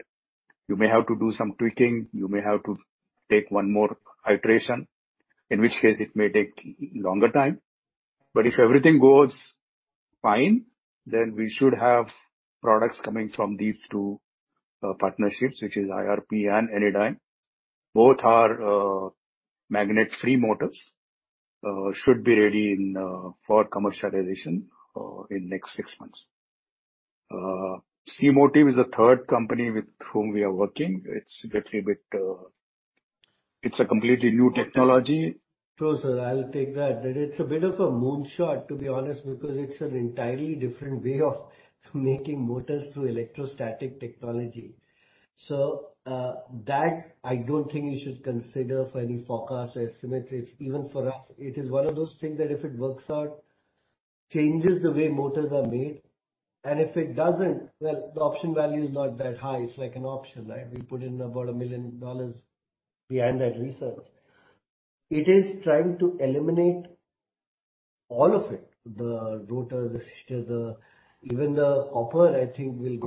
You may have to do some tweaking. You may have to take one more iteration, in which case it may take longer time. If everything goes fine, then we should have products coming from these two partnerships, which is IRP and Enedym. Both are magnet-free motors. Should be ready for commercialization in next six months. C-Motive is a third company with whom we are working. It's a completely new technology. Sir, I'll take that. It's a bit of a moonshot to be honest, because it's an entirely different way of making motors through electrostatic technology. That, I don't think you should consider for any forecast or estimate. Even for us, it is one of those things that if it works out, changes the way motors are made. If it doesn't, well, the option value is not that high. It's like an option, right? We put in about $1 million behind that research. It is trying to eliminate all of it, the rotor, even the copper, I think, will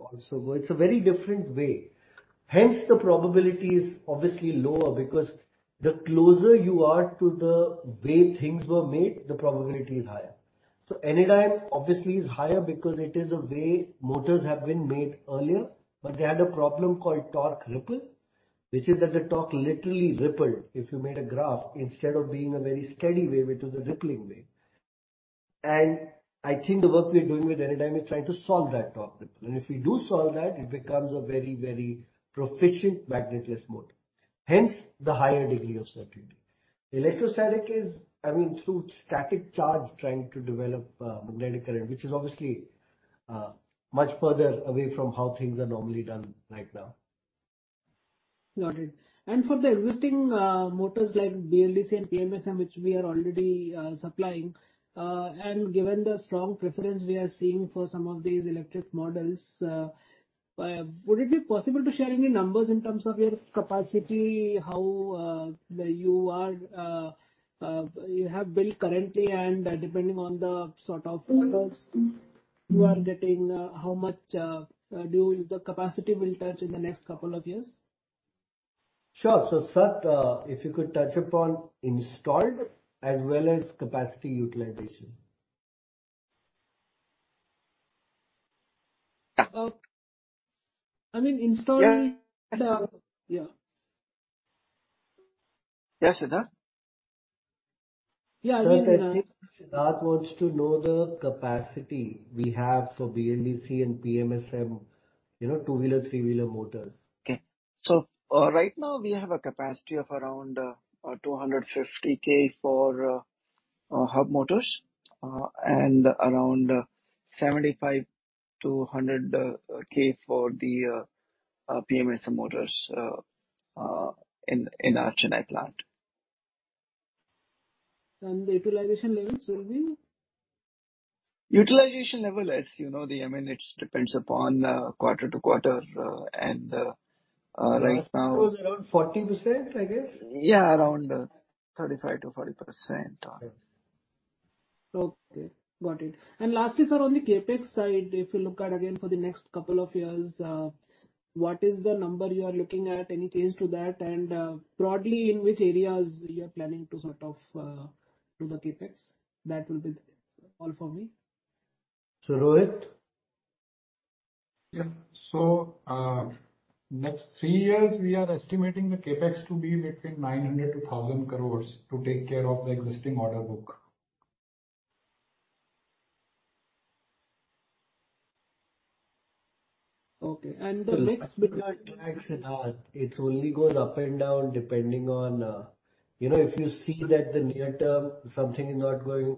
also go. It's a very different way. Hence, the probability is obviously lower because the closer you are to the way things were made, the probability is higher. Enedym obviously is higher because it is a way motors have been made earlier, but they had a problem called torque ripple, which is that the torque literally rippled, if you made a graph, instead of being a very steady wave, it was a rippling wave. I think the work we're doing with Enedym is trying to solve that torque ripple. If we do solve that, it becomes a very, very efficient magnet-less motor. Hence, the higher degree of certainty. Electrostatic is, I mean, through static charge trying to develop magnetic current, which is obviously much further away from how things are normally done right now. Noted. For the existing motors like BLDC and PMSM which we are already supplying, and given the strong preference we are seeing for some of these electric models, would it be possible to share any numbers in terms of your capacity? How you have built currently, and depending on the sort of orders you are getting, how much the capacity will touch in the next couple of years? So Sat, if you could touch upon installed as well as capacity utilization. I mean, installed Yeah. Sir. Yeah. Yeah, Sidharth? Yeah, I mean. Sidharth wants to know the capacity we have for BLDC and PMSM, you know, two-wheeler, three-wheeler motors. Right now we have a capacity of around 250,000 for hub motors, and around 75,000-100,000 for the PMSM motors in our Chennai plant. The utilization levels will be? Utilization level, as you know, I mean, it depends upon quarter-to-quarter, and right now. Last quarter was around 40%, I guess. Yeah, around 35%-40%. Yeah. Okay. Got it. Lastly, sir, on the CapEx side, if you look at again for the next couple of years, what is the number you are looking at? Any change to that? Broadly, in which areas you are planning to sort of do the CapEx? That will be all for me. Rohit? Next three years we are estimating the CapEx to be between 900 crore-1,000 crore to take care of the existing order book. Okay. It only goes up and down depending on you know, if you see that the near term something is not going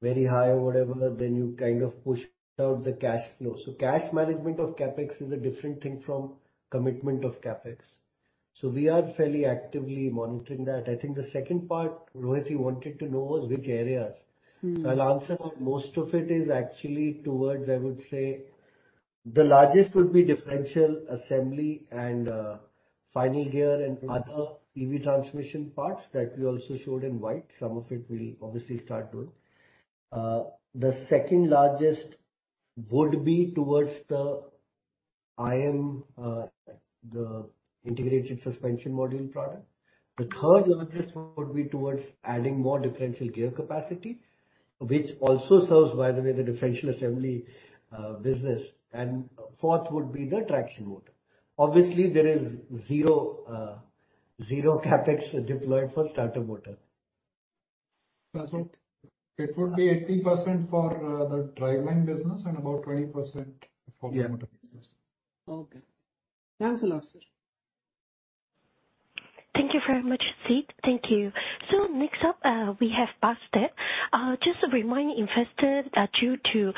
very high or whatever, then you kind of push out the cash flow. Cash management of CapEx is a different thing from commitment of CapEx. We are fairly actively monitoring that. I think the second part, Rohit, you wanted to know was which areas. Mm-hmm. I'll answer that most of it is actually towards, I would say, the largest would be differential assembly and final gear and other EV transmission parts that we also showed in white. Some of it we'll obviously start doing. The second largest would be towards the IMCM, the integrated suspension module product. The third largest would be towards adding more differential gear capacity, which also serves, by the way, the differential assembly business. Fourth would be the traction motor. Obviously, there is zero CapEx deployed for starter motor. That's what it would be 80% for the driveline business and about 20% for the motor business. Okay. Thanks a lot, sir. Thank you very much, Sid. Thank you. Next up, we have Basudeb. Just a reminder, investor, that due to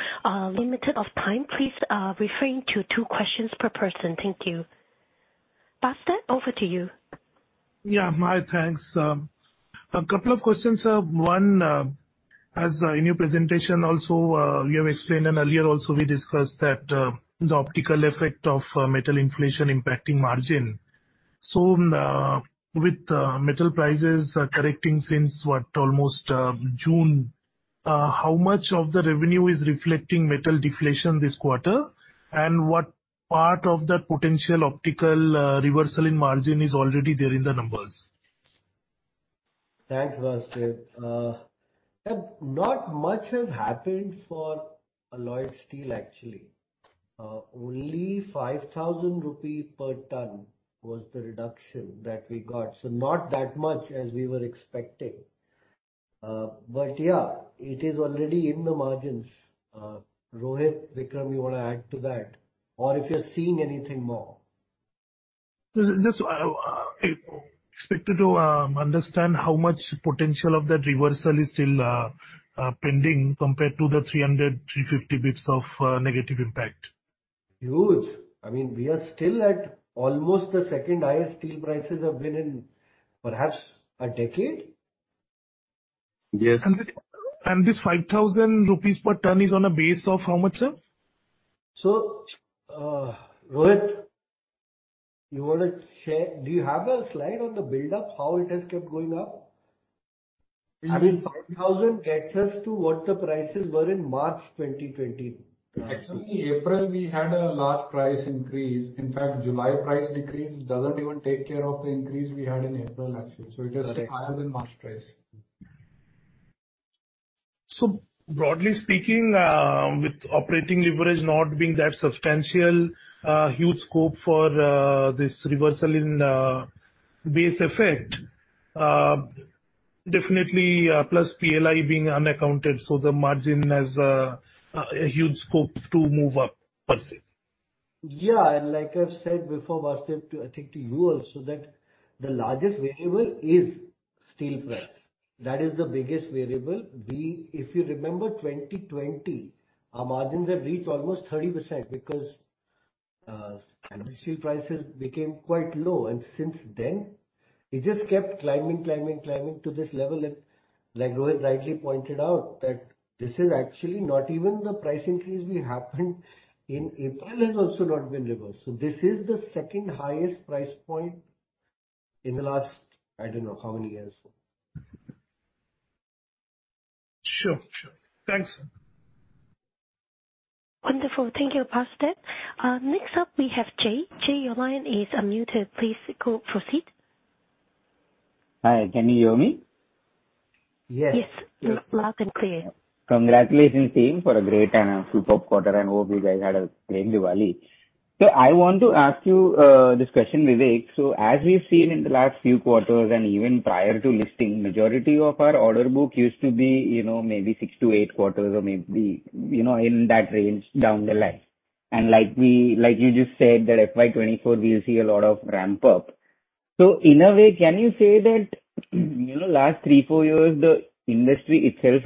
limited time, please limit to two questions per person. Thank you. Basudeb, over to you. Yeah. Hi. Thanks. A couple of questions. One, as in your presentation also, you have explained and earlier also we discussed that, the optical effect of metal inflation impacting margin. With metal prices correcting since almost June, how much of the revenue is reflecting metal deflation this quarter? And what part of the potential optical reversal in margin is already there in the numbers? Thanks, Basudeb. Not much has happened for alloyed steel, actually. Only 5,000 rupees per ton was the reduction that we got, so not that much as we were expecting. Yeah, it is already in the margins. Rohit, Vikram, you wanna add to that, or if you're seeing anything more. Just expected to understand how much potential of that reversal is still pending compared to the 300 basic points-350 basis points of negative impact. Huge. I mean, we are still at almost the second-highest steel prices have been in perhaps a decade. Yes. This 5,000 rupees per ton is on a base of how much, sir? Rohit, you wanna share? Do you have a slide on the buildup, how it has kept going up? I mean, 5,000 gets us to what the prices were in March 2020. Actually, April we had a large price increase. In fact, July price decrease doesn't even take care of the increase we had in April, actually. Correct. It is higher than March price. Broadly speaking, with operating leverage not being that substantial, huge scope for this reversal in base effect, definitely, plus PLI being unaccounted, so the margin has a huge scope to move up per se. Yeah. Like I've said before, Basudeb, I think to you also that the largest variable is steel price. That is the biggest variable. If you remember 2020, our margins had reached almost 30% because steel prices became quite low. Since then it just kept climbing to this level. Like Rohit rightly pointed out that this is actually not even the price increase which happened in April has also not been reversed. This is the second-highest price point in the last, I don't know how many years. Sure. Thanks. Wonderful. Thank you, Basudeb. Next up we have Jay. Jay, your line is unmuted. Please go, proceed. Hi. Can you hear me? Yes. Yes. Loud and clear. Congratulations, team, for a great and a superb quarter, and hope you guys had a great Diwali. I want to ask you this question, Vivek. As we've seen in the last few quarters and even prior to listing, majority of our order book used to be, you know, maybe 6-8 quarters or maybe, you know, in that range down the line. Like you just said that FY 2024 we'll see a lot of ramp up. In a way, can you say that, you know, last three, four years the industry itself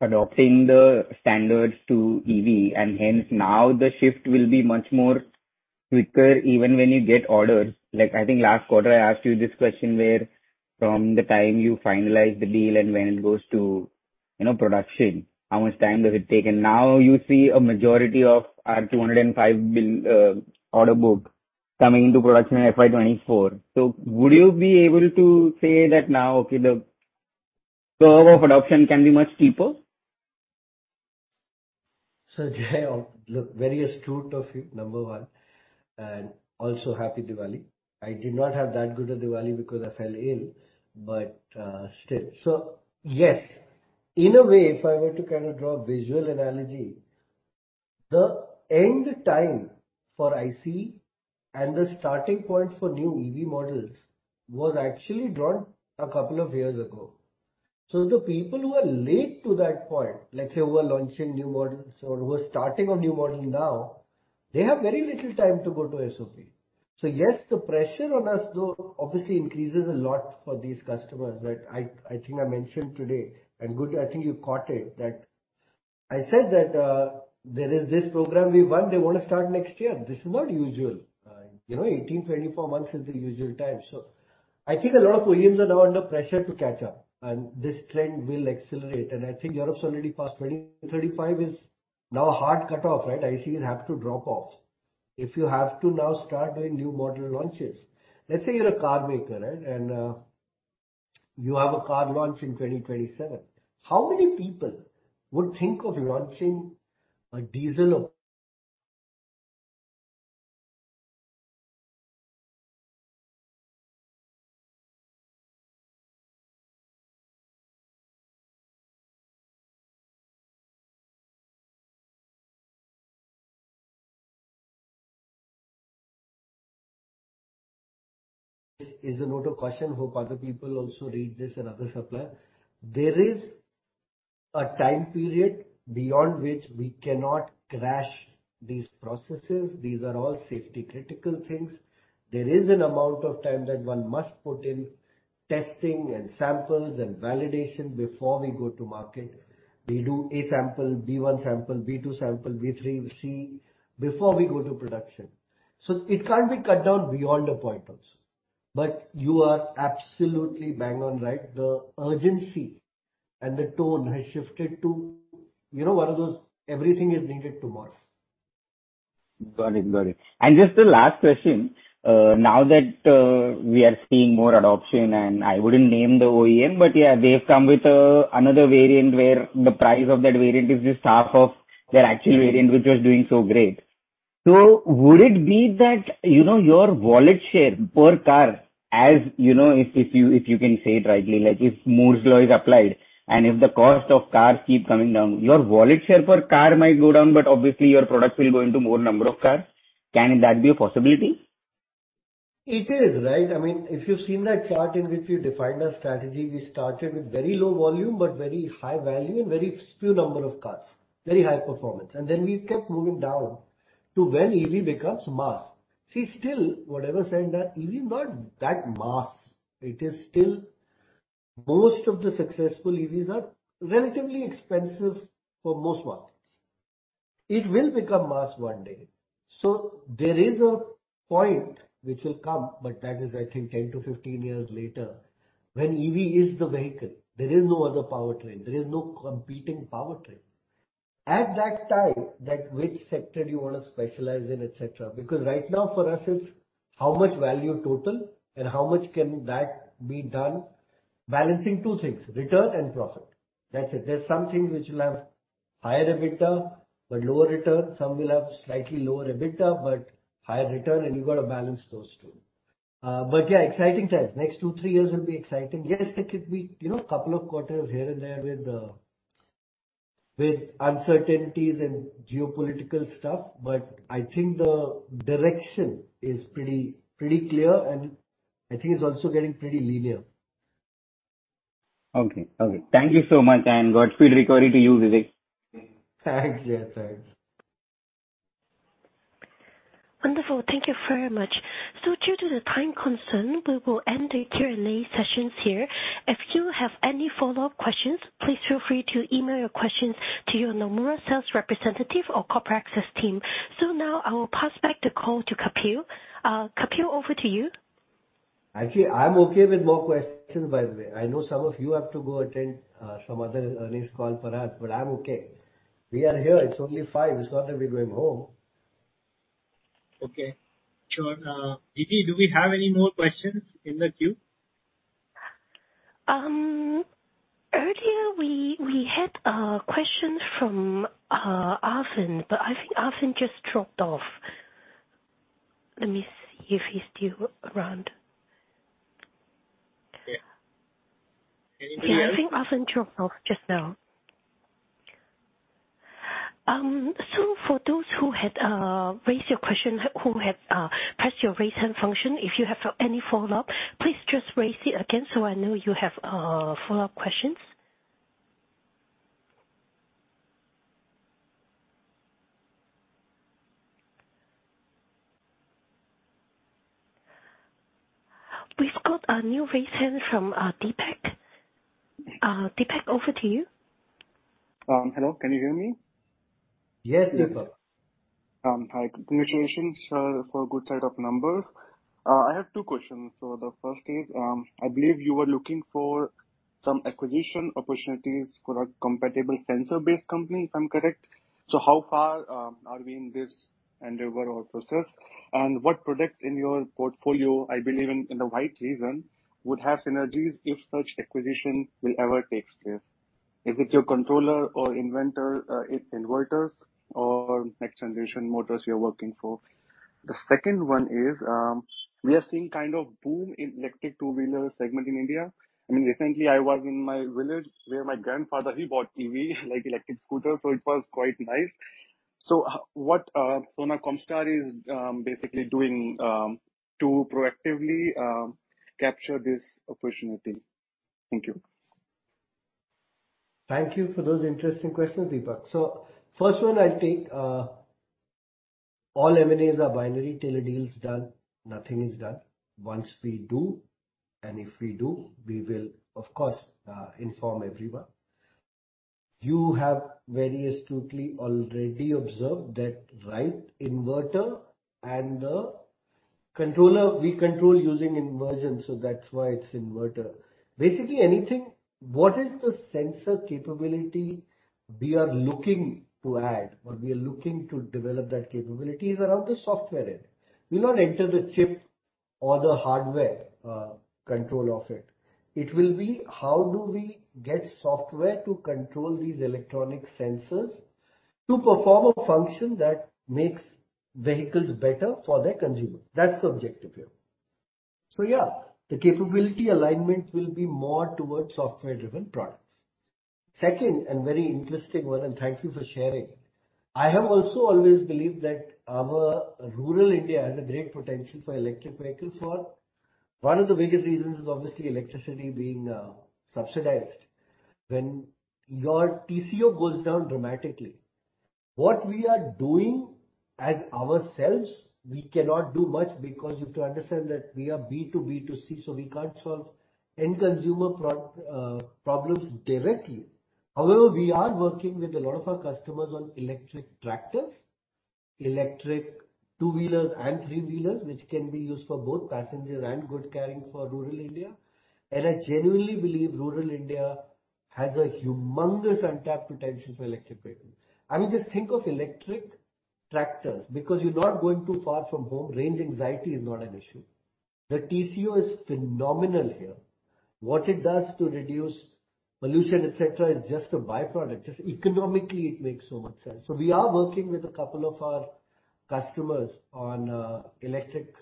has been adopting the standards to EV and hence now the shift will be much more quicker even when you get orders. Like I think last quarter I asked you this question where from the time you finalize the deal and when it goes to, you know, production, how much time does it take? Now you see a majority of our 205 billion order book coming into production in FY 2024. Would you be able to say that now, okay, the curve of adoption can be much steeper? Jay, look, very astute of you, number one. Also happy Diwali. I did not have that good a Diwali because I fell ill, but still. Yes, in a way, if I were to kind of draw a visual analogy, the end time for ICE and the starting point for new EV models was actually drawn a couple of years ago. The people who are late to that point, let's say who are launching new models or who are starting a new model now, they have very little time to go to SOP. Yes, the pressure on us, though, obviously increases a lot for these customers. I think I mentioned today, and good, I think you caught it, that I said that there is this program we won, they wanna start next year. This is not usual. You know, 18-24 months is the usual time. I think a lot of OEMs are now under pressure to catch up and this trend will accelerate. I think Europe's already passed. 2035 is now a hard cutoff, right? ICE will have to drop off. If you have to now start doing new model launches. Let's say you're a car maker, right, and you have a car launch in 2027. How many people would think of launching a diesel or. This is a note of caution. Hope other people also read this and other supplier. There is a time period beyond which we cannot crash these processes. These are all safety critical things. There is an amount of time that one must put in testing and samples and validation before we go to market. We do A sample, B one sample, B two sample, B three, C before we go to production. It can't be cut down beyond a point also. You are absolutely bang on, right. The urgency and the tone has shifted to, you know, one of those, everything is needed to tomorrow. Got it. Just the last question, now that we are seeing more adoption, and I wouldn't name the OEM, but yeah, they've come with another variant where the price of that variant is just half of their actual variant which was doing so great. Would it be that, you know, your wallet share per car, as you know, if you can say it rightly, like if Moore's Law is applied, and if the cost of cars keep coming down, your wallet share per car might go down, but obviously your product will go into more number of cars. Can that be a possibility? It is right. I mean, if you've seen that chart in which we defined our strategy, we started with very low volume, but very high value and very few number of cars, very high performance. Then we kept moving down to when EV becomes mass. See, still, whatever said that, EV not that mass. It is still most of the successful EVs are relatively expensive for most markets. It will become mass one day. There is a point which will come, but that is I think 10-15 years later, when EV is the vehicle. There is no other powertrain, there is no competing powertrain. At that time, that which sector do you want to specialize in, et cetera. Because right now for us it's how much value total and how much can that be done balancing two things, return and profit. That's it. There's some things which will have higher EBITDA, but lower return. Some will have slightly lower EBITDA, but higher return, and you've got to balance those two. Yeah, exciting times. Next 2-3 years will be exciting. Yes, there could be, you know, couple of quarters here and there with uncertainties and geopolitical stuff. I think the direction is pretty clear, and I think it's also getting pretty linear. Okay. Okay. Thank you so much, and Godspeed recovery to you, Vivek. Thanks. Yeah, thanks. Wonderful. Thank you very much. Due to the time concern, we will end the Q&A sessions here. If you have any follow-up questions, please feel free to email your questions to your Nomura sales representative or corporate access team. Now I will pass back the call to Kapil. Kapil, over to you. Actually, I'm okay with more questions, by the way. I know some of you have to go attend some other earnings call perhaps, but I'm okay. We are here. It's only 5:00 P.M.. It's not like we're going home. Okay. Sure. Gigi, do we have any more questions in the queue? Earlier we had a question from Arfin, but I think Arfin just dropped off. Let me see if he's still around. Yeah. Anything else? Yeah, I think Arfin dropped off just now. For those who had raised your question, who had pressed your raise hand function, if you have any follow-up, please just raise it again, so I know you have follow-up questions. We've got a new raise hand from Deepak. Deepak, over to you. Hello, can you hear me? Yes. Yes, sir. Hi. Congratulations for good set of numbers. I have two questions. The first is, I believe you were looking for some acquisition opportunities for a compatible sensor-based company, if I'm correct. How far are we in this endeavor or process? And what products in your portfolio, I believe in the white space, would have synergies if such acquisition will ever takes place? Is it your controller or inverter, inverters or next generation motors you're working for? The second one is, we are seeing kind of boom in electric two-wheeler segment in India. I mean, recently I was in my village where my grandfather, he bought EV, like electric scooter, so it was quite nice. What Sona Comstar is basically doing to proactively capture this opportunity? Thank you. Thank you for those interesting questions, Deepak. First one I'll take, all M&As are binary. Till a deal is done, nothing is done. Once we do, and if we do, we will of course inform everyone. You have very astutely already observed that right inverter and the controller, we control using inversion, so that's why it's inverter. What is the sensor capability we are looking to add or we are looking to develop that capability is around the software end. We'll not enter the chip or the hardware control of it. It will be how do we get software to control these electronic sensors to perform a function that makes vehicles better for their consumer. That's the objective here. Yeah, the capability alignment will be more towards software-driven products. Second, and very interesting one, and thank you for sharing. I have also always believed that our rural India has a great potential for electric vehicles. One of the biggest reasons is obviously electricity being subsidized. When your TCO goes down dramatically, what we are doing as ourselves, we cannot do much because you have to understand that we are B2B2C, so we can't solve end consumer problems directly. However, we are working with a lot of our customers on electric tractors, electric two-wheelers and three-wheelers, which can be used for both passenger and good carrying for rural India. I genuinely believe rural India has a humongous untapped potential for electric vehicles. I mean, just think of electric tractors, because you're not going too far from home, range anxiety is not an issue. The TCO is phenomenal here. What it does to reduce pollution, et cetera, is just a by-product. Just economically, it makes so much sense. We are working with a couple of our customers on electric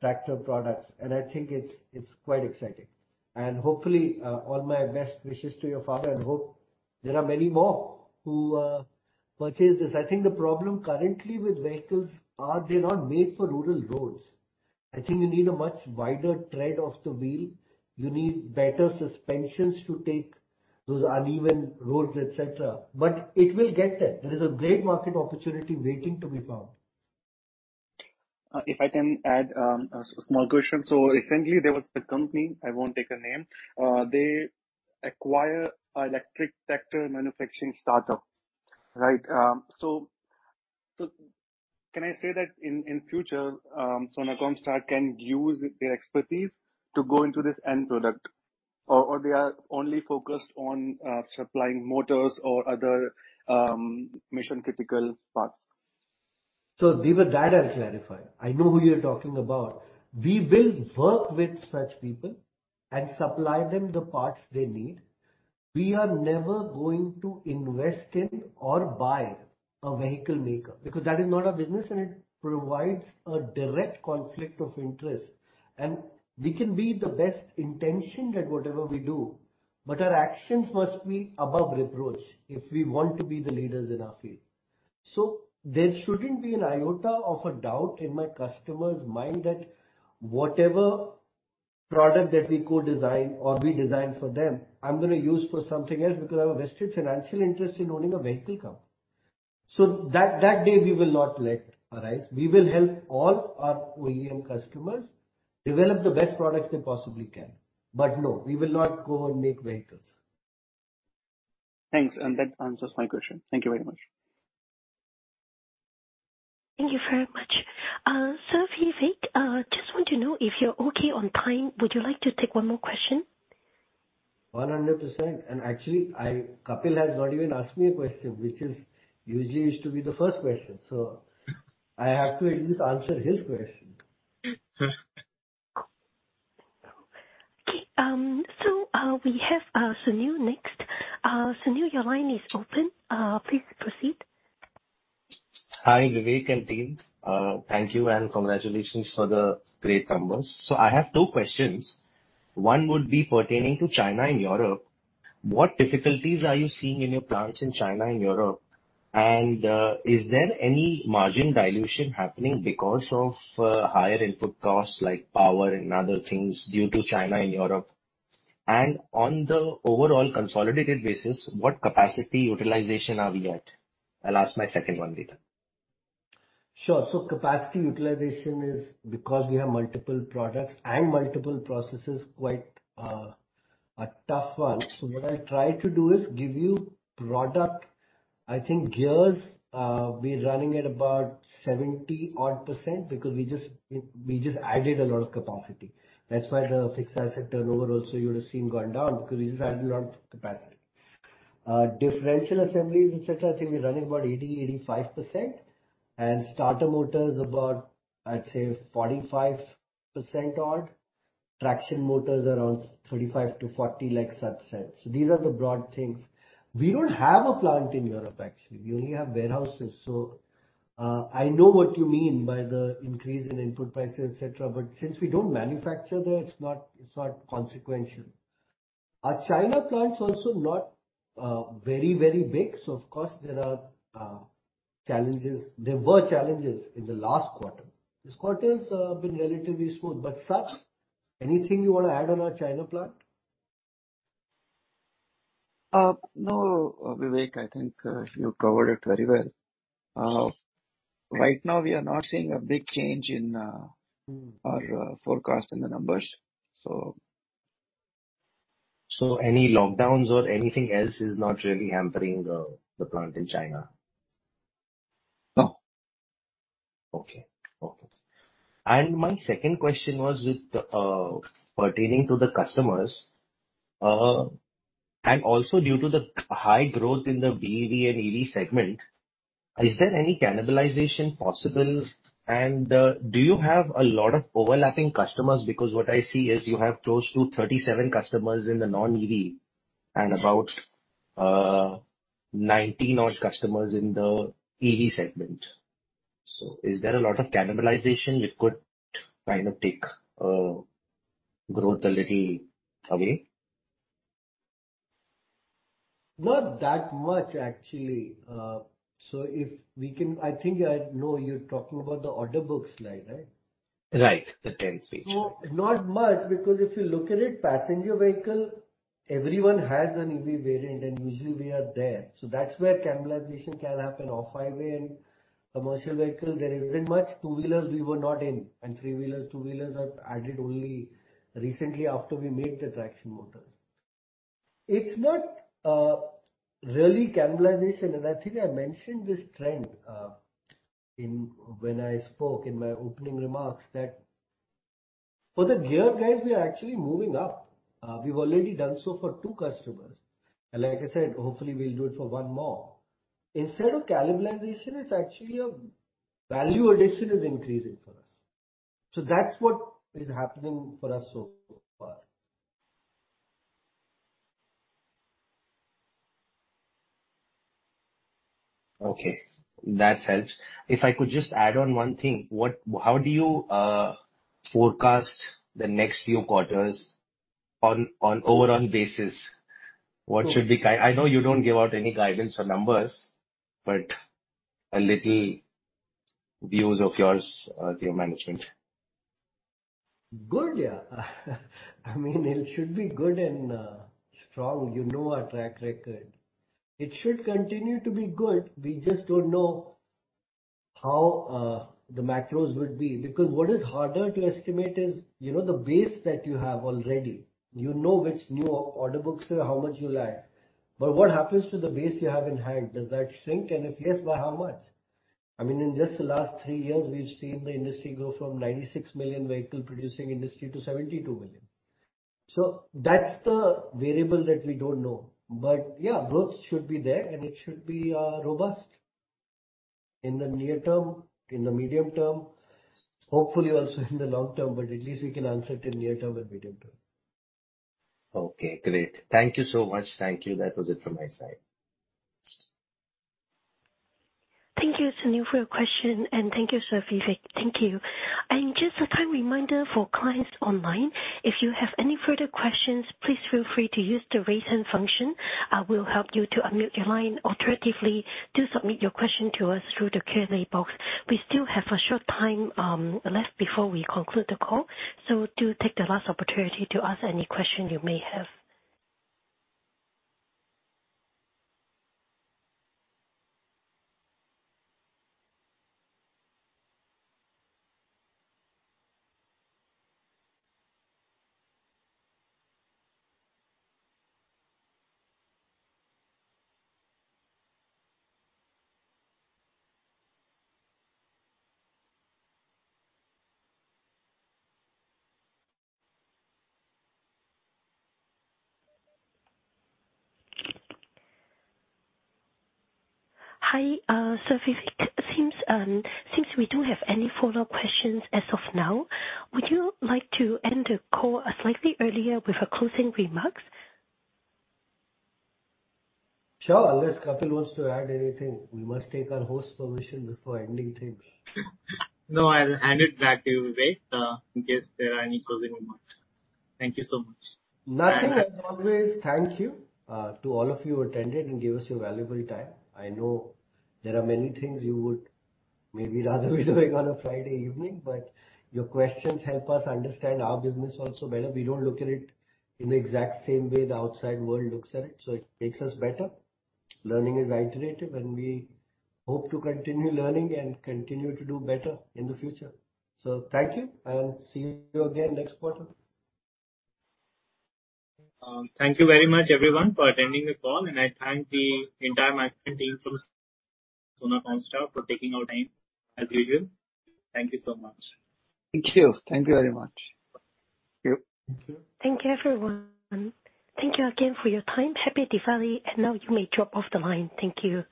tractor products, and I think it's quite exciting. Hopefully, all my best wishes to your father and hope there are many more who purchase this. I think the problem currently with vehicles are they're not made for rural roads. I think you need a much wider tread of the wheel. You need better suspensions to take those uneven roads, et cetera. It will get there. There is a great market opportunity waiting to be found. If I can add a small question. Recently there was a company, I won't take a name, they acquire electric tractor manufacturing startup, right? Can I say that in future, Sona Comstar can use their expertise to go into this end product? Or they are only focused on supplying motors or other mission-critical parts? Deepak, that I'll clarify. I know who you're talking about. We will work with such people and supply them the parts they need. We are never going to invest in or buy a vehicle maker, because that is not our business and it provides a direct conflict of interest. We can be the best intentioned at whatever we do, but our actions must be above reproach if we want to be the leaders in our field. There shouldn't be an iota of a doubt in my customer's mind that whatever product that we co-design or we design for them, I'm gonna use for something else because I have a vested financial interest in owning a vehicle company. That day we will not let arise. We will help all our OEM customers develop the best products they possibly can. No, we will not go and make vehicles. Thanks. That answers my question. Thank you very much. Thank you very much. Vivek, just want to know if you're okay on time? Would you like to take one more question? 100%. Actually, Kapil has not even asked me a question, which is usually used to be the first question, so I have to at least answer his question. Okay. We have Sunil next. Sunil, your line is open. Please proceed. Hi, Vivek and team. Thank you and congratulations for the great numbers. I have two questions. One would be pertaining to China and Europe. What difficulties are you seeing in your plants in China and Europe? And, is there any margin dilution happening because of, higher input costs like power and other things due to China and Europe? And on the overall consolidated basis, what capacity utilization are we at? I'll ask my second one later. Sure. Capacity utilization is because we have multiple products and multiple processes, quite a tough one. What I'll try to do is give you product. I think gears, we're running at about 70-odd% because we just added a lot of capacity. That's why the fixed asset turnover also you would have seen gone down because we just added a lot of capacity. Differential assemblies, et cetera, I think we're running about 80%-85%. Starter motors about, I'd say 45-odd%. Traction motors around 35%-40%, like Sat said. These are the broad things. We don't have a plant in Europe actually. We only have warehouses. I know what you mean by the increase in input prices, et cetera, but since we don't manufacture there, it's not consequential. Our China plant's also not very, very big, so of course there are challenges. There were challenges in the last quarter. This quarter's been relatively smooth. Sat, anything you wanna add on our China plant? No, Vivek, I think you covered it very well. Right now we are not seeing a big change in our forecast in the numbers. Any lockdowns or anything else is not really hampering the plant in China? No. Okay. My second question was with pertaining to the customers, and also due to the high growth in the BEV and EV segment, is there any cannibalization possible? Do you have a lot of overlapping customers? Because what I see is you have close to 37 customers in the non-EV and about 19 odd customers in the EV segment. Is there a lot of cannibalization which could kind of take growth a little away? Not that much actually. If we can, I think I know you're talking about the order book slide, right? Right. The 10th page. Not much because if you look at it, passenger vehicle, everyone has an EV variant and usually we are there. That's where cannibalization can happen. Off-highway and commercial vehicle, there isn't much. Two-wheelers we were not in, and three-wheelers. Two-wheelers are added only recently after we made the traction motors. It's not really cannibalization, and I think I mentioned this trend in, when I spoke in my opening remarks that for the gear guys, we are actually moving up. We've already done so for two customers. Like I said, hopefully we'll do it for one more. Instead of cannibalization, it's actually value addition is increasing for us. That's what is happening for us so far. Okay, that helps. If I could just add on one thing. How do you forecast the next few quarters on overall basis? I know you don't give out any guidance or numbers, but a little views of yours to your management. Good. Yeah. I mean, it should be good and strong. You know our track record. It should continue to be good. We just don't know how the macros would be. Because what is harder to estimate is, you know the base that you have already. You know which new order books or how much you lag. What happens to the base you have in hand? Does that shrink? If yes, by how much? I mean, in just the last three years, we've seen the industry grow from 96 million vehicle producing industry to 72 million. That's the variable that we don't know. Yeah, growth should be there, and it should be robust in the near term, in the medium term, hopefully also in the long term, but at least we can answer it in near term and medium term. Okay, great. Thank you so much. Thank you. That was it from my side. Thank you, Sunil, for your question. Thank you, Sir Vivek. Thank you. Just a time reminder for clients online, if you have any further questions, please feel free to use the Raise Hand function. I will help you to unmute your line. Alternatively, do submit your question to us through the Q&A box. We still have a short time, left before we conclude the call. Do take the last opportunity to ask any question you may have. Hi, Sir Vivek, seems since we don't have any follow-up questions as of now, would you like to end the call, slightly earlier with a closing remarks? Sure. Unless Kapil wants to add anything. We must take our host permission before ending things. No, I'll hand it back to Vivek, in case there are any closing remarks. Thank you so much. Nothing. As always, thank you to all of you who attended and gave us your valuable time. I know there are many things you would maybe rather be doing on a Friday evening, but your questions help us understand our business also better. We don't look at it in the exact same way the outside world looks at it, so it makes us better. Learning is iterative, and we hope to continue learning and continue to do better in the future. Thank you, and see you again next quarter. Thank you very much everyone for attending the call, and I thank the entire management team from Sona Comstar for taking out time as usual. Thank you so much. Thank you. Thank you very much. Thank you, everyone. Thank you again for your time. Happy Diwali. Now you may drop off the line. Thank you.